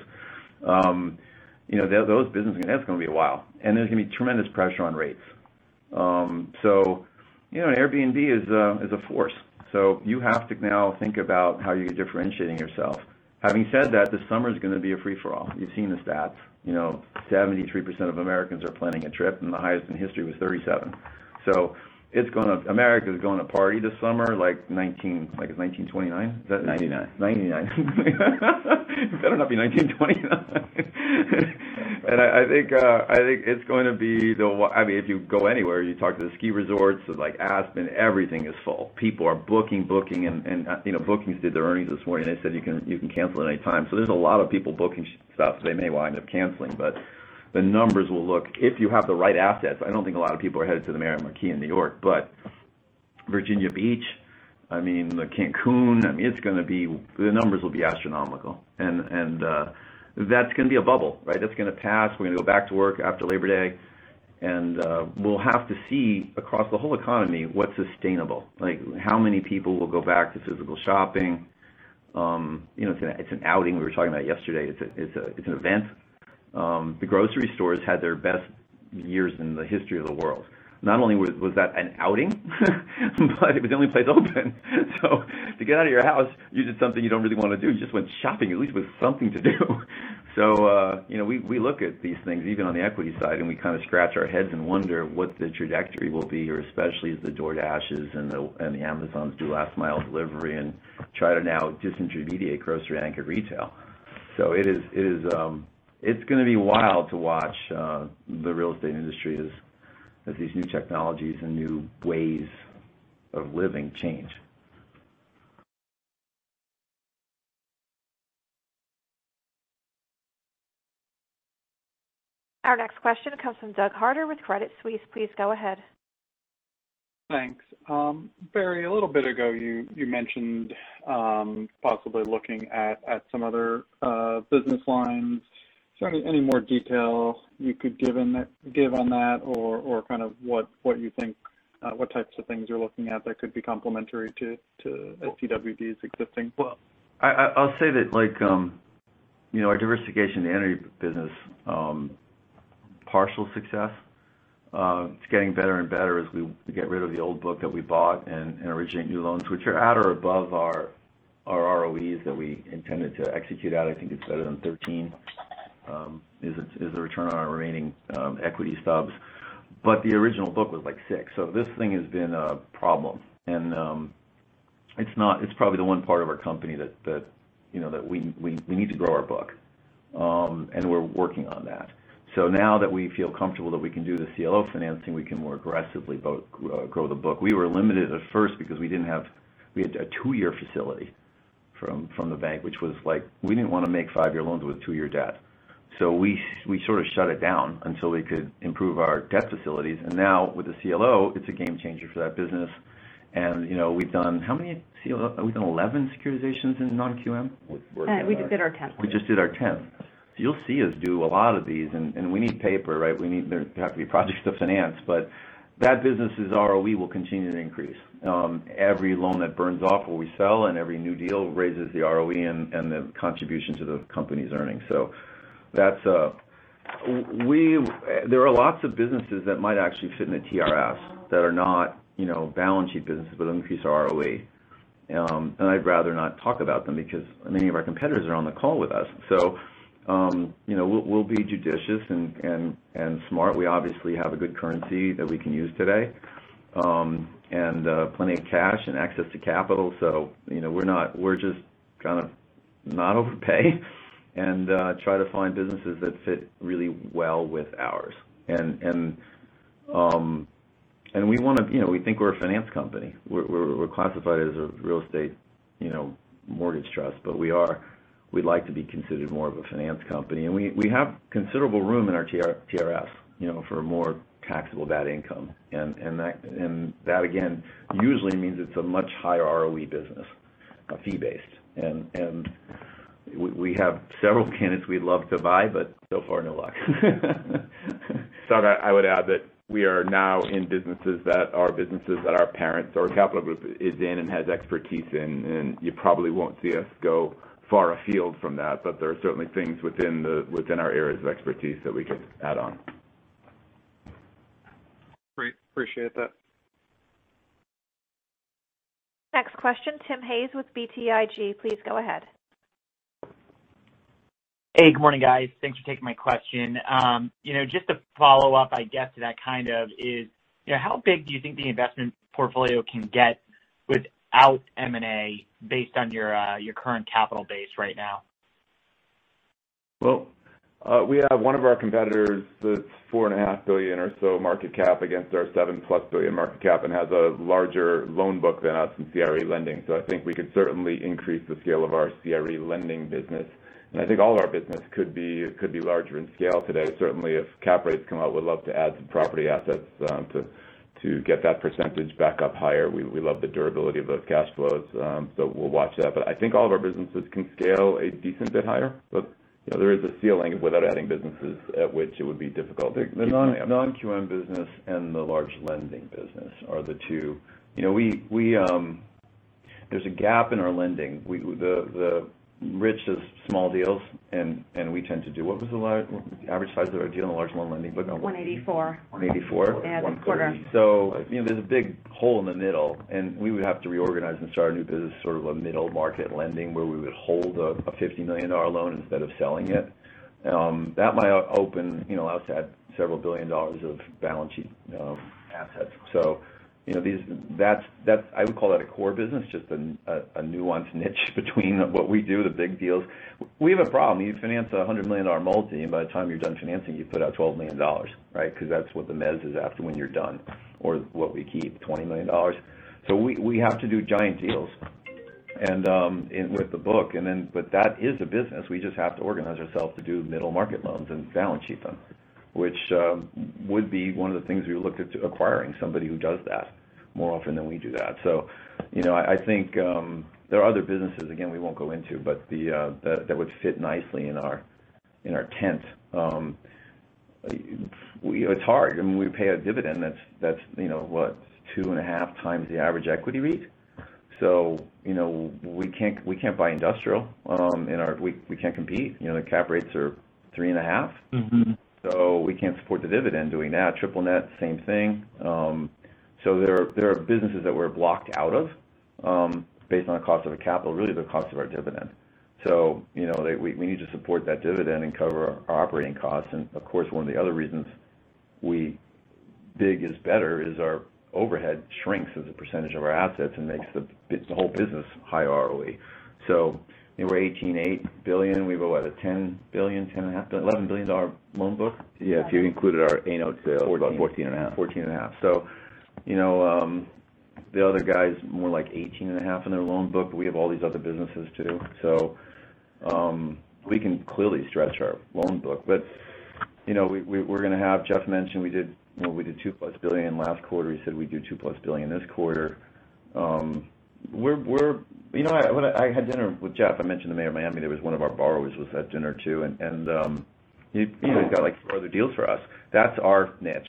Those businesses, that's going to be a while. There's going to be tremendous pressure on rates. Airbnb is a force. You have to now think about how you're differentiating yourself. Having said that, this summer's going to be a free-for-all. You've seen the stats. 73% of Americans are planning a trip, and the highest in history was 37%. America's going to party this summer like it's 1929? 1999. 1999. It better not be 1929. I think it's going to be. If you go anywhere, you talk to the ski resorts like Aspen, everything is full. People are booking. Booking Holdings did their earnings this morning, and they said you can cancel at any time. There's a lot of people booking stuff, so they may wind up canceling. The numbers will look, if you have the right assets, I don't think a lot of people are headed to the New York Marriott Marquis. Virginia Beach, the Cancun Fiesta, the numbers will be astronomical. That's going to be a bubble, right? That's going to pass. We're going to go back to work after Labor Day, and we'll have to see across the whole economy what's sustainable. Like, how many people will go back to physical shopping? It's an outing. We were talking about it yesterday. It's an event. The grocery stores had their best years in the history of the world. Not only was that an outing, but it was the only place open. To get out of your house, you did something you don't really want to do. You just went shopping, at least it was something to do. We look at these things even on the equity side, and we kind of scratch our heads and wonder what the trajectory will be, or especially as the DoorDashes and the Amazons do last-mile delivery and try to now disintermediate grocery-anchored retail. It's going to be wild to watch the real estate industry as these new technologies and new ways of living change. Our next question comes from Douglas Harter with Credit Suisse. Please go ahead. Thanks. Barry, a little bit ago, you mentioned possibly looking at some other business lines. Is there any more detail you could give on that? Kind of what you think, what types of things you're looking at that could be complementary to STWD's existing? Well, I'll say that our diversification in the energy business, partial success. It's getting better and better as we get rid of the old book that we bought and originate new loans, which are at or above our ROEs that we intended to execute at. I think it's better than 13, is the return on our remaining equity stubs. The original book was, like, six. This thing has been a problem. It's probably the one part of our company that we need to grow our book. We're working on that. Now that we feel comfortable that we can do the CLO financing, we can more aggressively grow the book. We were limited at first because we had a two-year facility from the bank, which was like, we didn't want to make five-year loans with two-year debt. We sort of shut it down until we could improve our debt facilities. Now with the CLO, it's a game-changer for that business. We've done how many securitizations in non-QM? We're working on- We just did our 10th. We just did our 10th. You'll see us do a lot of these, and we need paper, right? There have to be projects to finance. That business' ROE will continue to increase. Every loan that burns off or we sell and every new deal raises the ROE and the contribution to the company's earnings. There are lots of businesses that might actually fit in the TRS that are not balance sheet businesses but increase our ROE. I'd rather not talk about them because many of our competitors are on the call with us. We'll be judicious and smart. We obviously have a good currency that we can use today. Plenty of cash and access to capital. We're just trying to not overpay and try to find businesses that fit really well with ours. We think we're a finance company. We're classified as a real estate mortgage trust, but we'd like to be considered more of a finance company. We have considerable room in our TRS for more taxable bad income. That, again, usually means it's a much higher ROE business, fee-based. We have several candidates we'd love to buy, but so far, no luck. I would add that we are now in businesses that our parents or capital group is in and has expertise in, and you probably won't see us go far afield from that. There are certainly things within our areas of expertise that we could add on. Great. Appreciate that. Next question, Timothy Hayes with BTIG. Please go ahead. Hey, good morning, guys. Thanks for taking my question. Just to follow up, I guess, to that is, how big do you think the investment portfolio can get without M&A based on your current capital base right now? Well, we have one of our competitors that's $4.5 billion or so market cap against our $7+ billion market cap and has a larger loan book than us in CRE lending. I think we could certainly increase the scale of our CRE lending business. And I think all of our business could be larger in scale today. Certainly, if cap rates come out, we'd love to add some property assets to get that percentage back up higher. We love the durability of those cash flows, so we'll watch that. But I think all of our businesses can scale a decent bit higher. But there is a ceiling without adding businesses at which it would be difficult to keep going up. The non-QM business and the large lending business are the two. There's a gap in our lending. The niche is small deals. What was the average size of our deal in the large loan lending book? 184. 184? Yeah, at the quarter. There's a big hole in the middle, and we would have to reorganize and start a new business, sort of a middle-market lending where we would hold a $50 million loan instead of selling it. That might open us to add several billion dollars of balance sheet assets. I would call that a core business, just a nuanced niche between what we do, the big deals. We have a problem. You finance a $100 million multi, and by the time you're done financing, you put out $12 million. Because that's what the mezz is after when you're done, or what we keep, $20 million. We have to do giant deals with the book. That is a business we just have to organize ourselves to do middle market loans and balance sheet them, which would be one of the things we looked at acquiring, somebody who does that more often than we do that. I think there are other businesses, again, we won't go into, but that would fit nicely in our tent. It's hard. We pay a dividend that's what, 2.5x the average equity REIT. We can't buy industrial. We can't compete. The cap rates are 3.5%. We can't support the dividend doing that. Triple net, same thing. There are businesses that we're blocked out of based on the cost of the capital, really the cost of our dividend. We need to support that dividend and cover our operating costs. Of course, one of the other reasons big is better is our overhead shrinks as a percentage of our assets and makes the whole business high ROE. We're $18.8 billion. We have a $10 billion, $10.5 billion, $11 billion loan book? Yeah. If you included our A-note sales- 14 about 14.5. 14.5. The other guys' more like 18.5 In their loan book. We have all these other businesses, too. We can clearly stretch our loan book. Jeffrey mentioned we did $2+ billion last quarter. He said we'd do $2+ billion this quarter. I had dinner with Jeff. I mentioned the mayor of Miami. There was one of our borrowers at dinner, too, and he's got four other deals for us. That's our niche.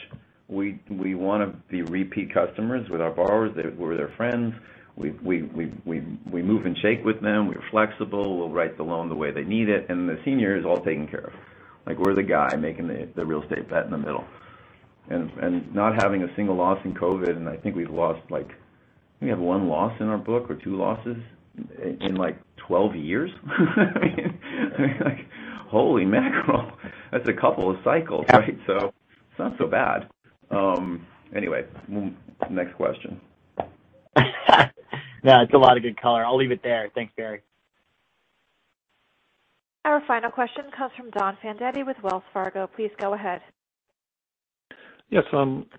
We want to be repeat customers with our borrowers. We're their friends. We move and shake with them. We're flexible. We'll write the loan the way they need it, and the senior is all taken care of. We're the guy making the real estate bet in the middle. Not having a single loss in COVID, and I think we have one loss in our book or two losses in 12 years. Holy mackerel. That's a couple of cycles, right? It's not so bad. Anyway, next question. No, it's a lot of good color. I'll leave it there. Thanks, Barry. Our final question comes from Donald Fandetti with Wells Fargo. Please go ahead. Yes.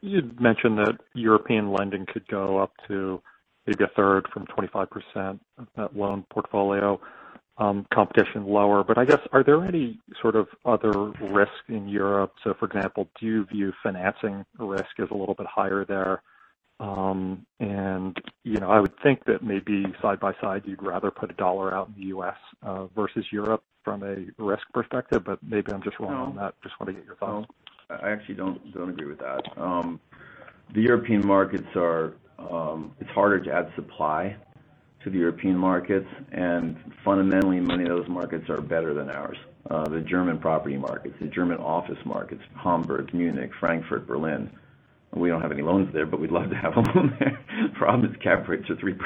You'd mentioned that European lending could go up to maybe a third from 25% of that loan portfolio, competition lower. I guess, are there any sort of other risks in Europe? For example, do you view financing risk as a little bit higher there? I would think that maybe side by side, you'd rather put a dollar out in the U.S. versus Europe from a risk perspective, but maybe I'm just wrong on that. Just want to get your thoughts. I actually don't agree with that. It's harder to add supply to the European markets, fundamentally, many of those markets are better than ours. The German property markets, the German office markets, Hamburg, Munich, Frankfurt, Berlin. We don't have any loans there, we'd love to have a loan there. Problem is cap rates are 3%,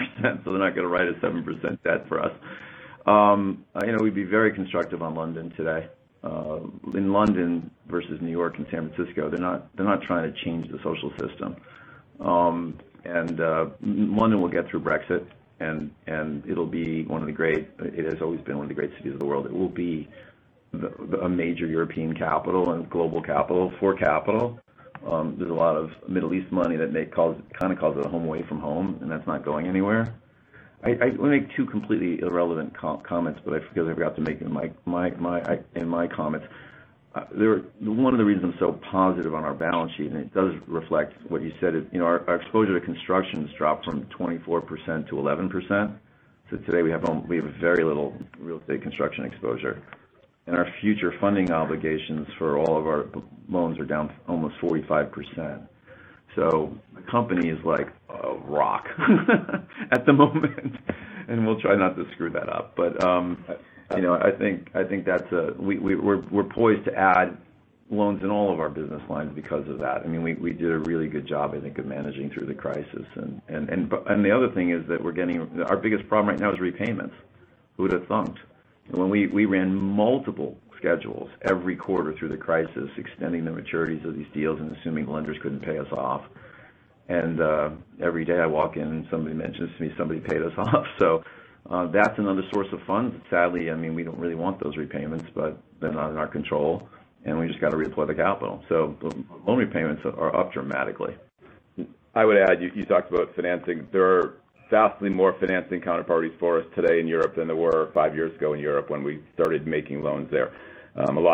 they're not going to write a 7% debt for us. We'd be very constructive on London today. London versus New York and San Francisco, they're not trying to change the social system. London will get through Brexit, and it has always been one of the great cities of the world. It will be a major European capital and global capital for capital. There's a lot of Middle East money that may kind of cause it a home away from home, that's not going anywhere. I want to make two completely irrelevant comments, but I figured I forgot to make them in my comments. One of the reasons I'm so positive on our balance sheet, and it does reflect what you said, our exposure to construction has dropped from 24%-11%. Today we have a very little real estate construction exposure, and our future funding obligations for all of our loans are down almost 45%. The company is like a rock at the moment, and we'll try not to screw that up. We're poised to add loans in all of our business lines because of that. We did a really good job, I think, of managing through the crisis. The other thing is that our biggest problem right now is repayments. Who'd have thunked? We ran multiple schedules every quarter through the crisis, extending the maturities of these deals and assuming lenders couldn't pay us off. Every day I walk in and somebody mentions to me, somebody paid us off. That's another source of funds. Sadly, we don't really want those repayments, but they're not in our control, and we just got to redeploy the capital. Loan repayments are up dramatically. I would add, you talked about financing. There are vastly more financing counterparties for us today in Europe than there were five years ago in Europe when we started making loans there. That's really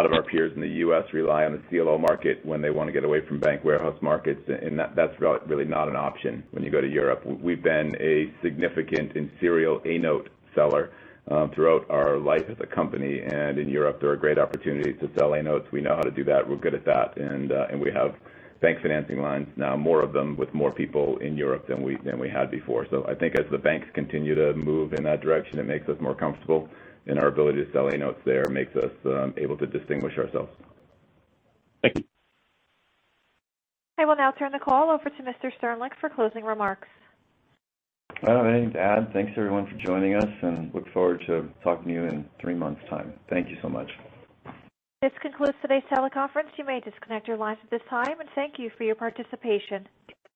not an option when you go to Europe. We've been a significant and serial A-note seller throughout our life as a company. In Europe, there are great opportunities to sell A-notes. We know how to do that. We're good at that. We have bank financing lines now, more of them with more people in Europe than we had before. I think as the banks continue to move in that direction, it makes us more comfortable in our ability to sell A notes there, makes us able to distinguish ourselves. Thank you. I will now turn the call over to Mr. Sternlicht for closing remarks. I don't have anything to add. Thanks, everyone, for joining us, and look forward to talking to you in three months' time. Thank you so much. This concludes today's teleconference. You may disconnect your lines at this time. Thank you for your participation.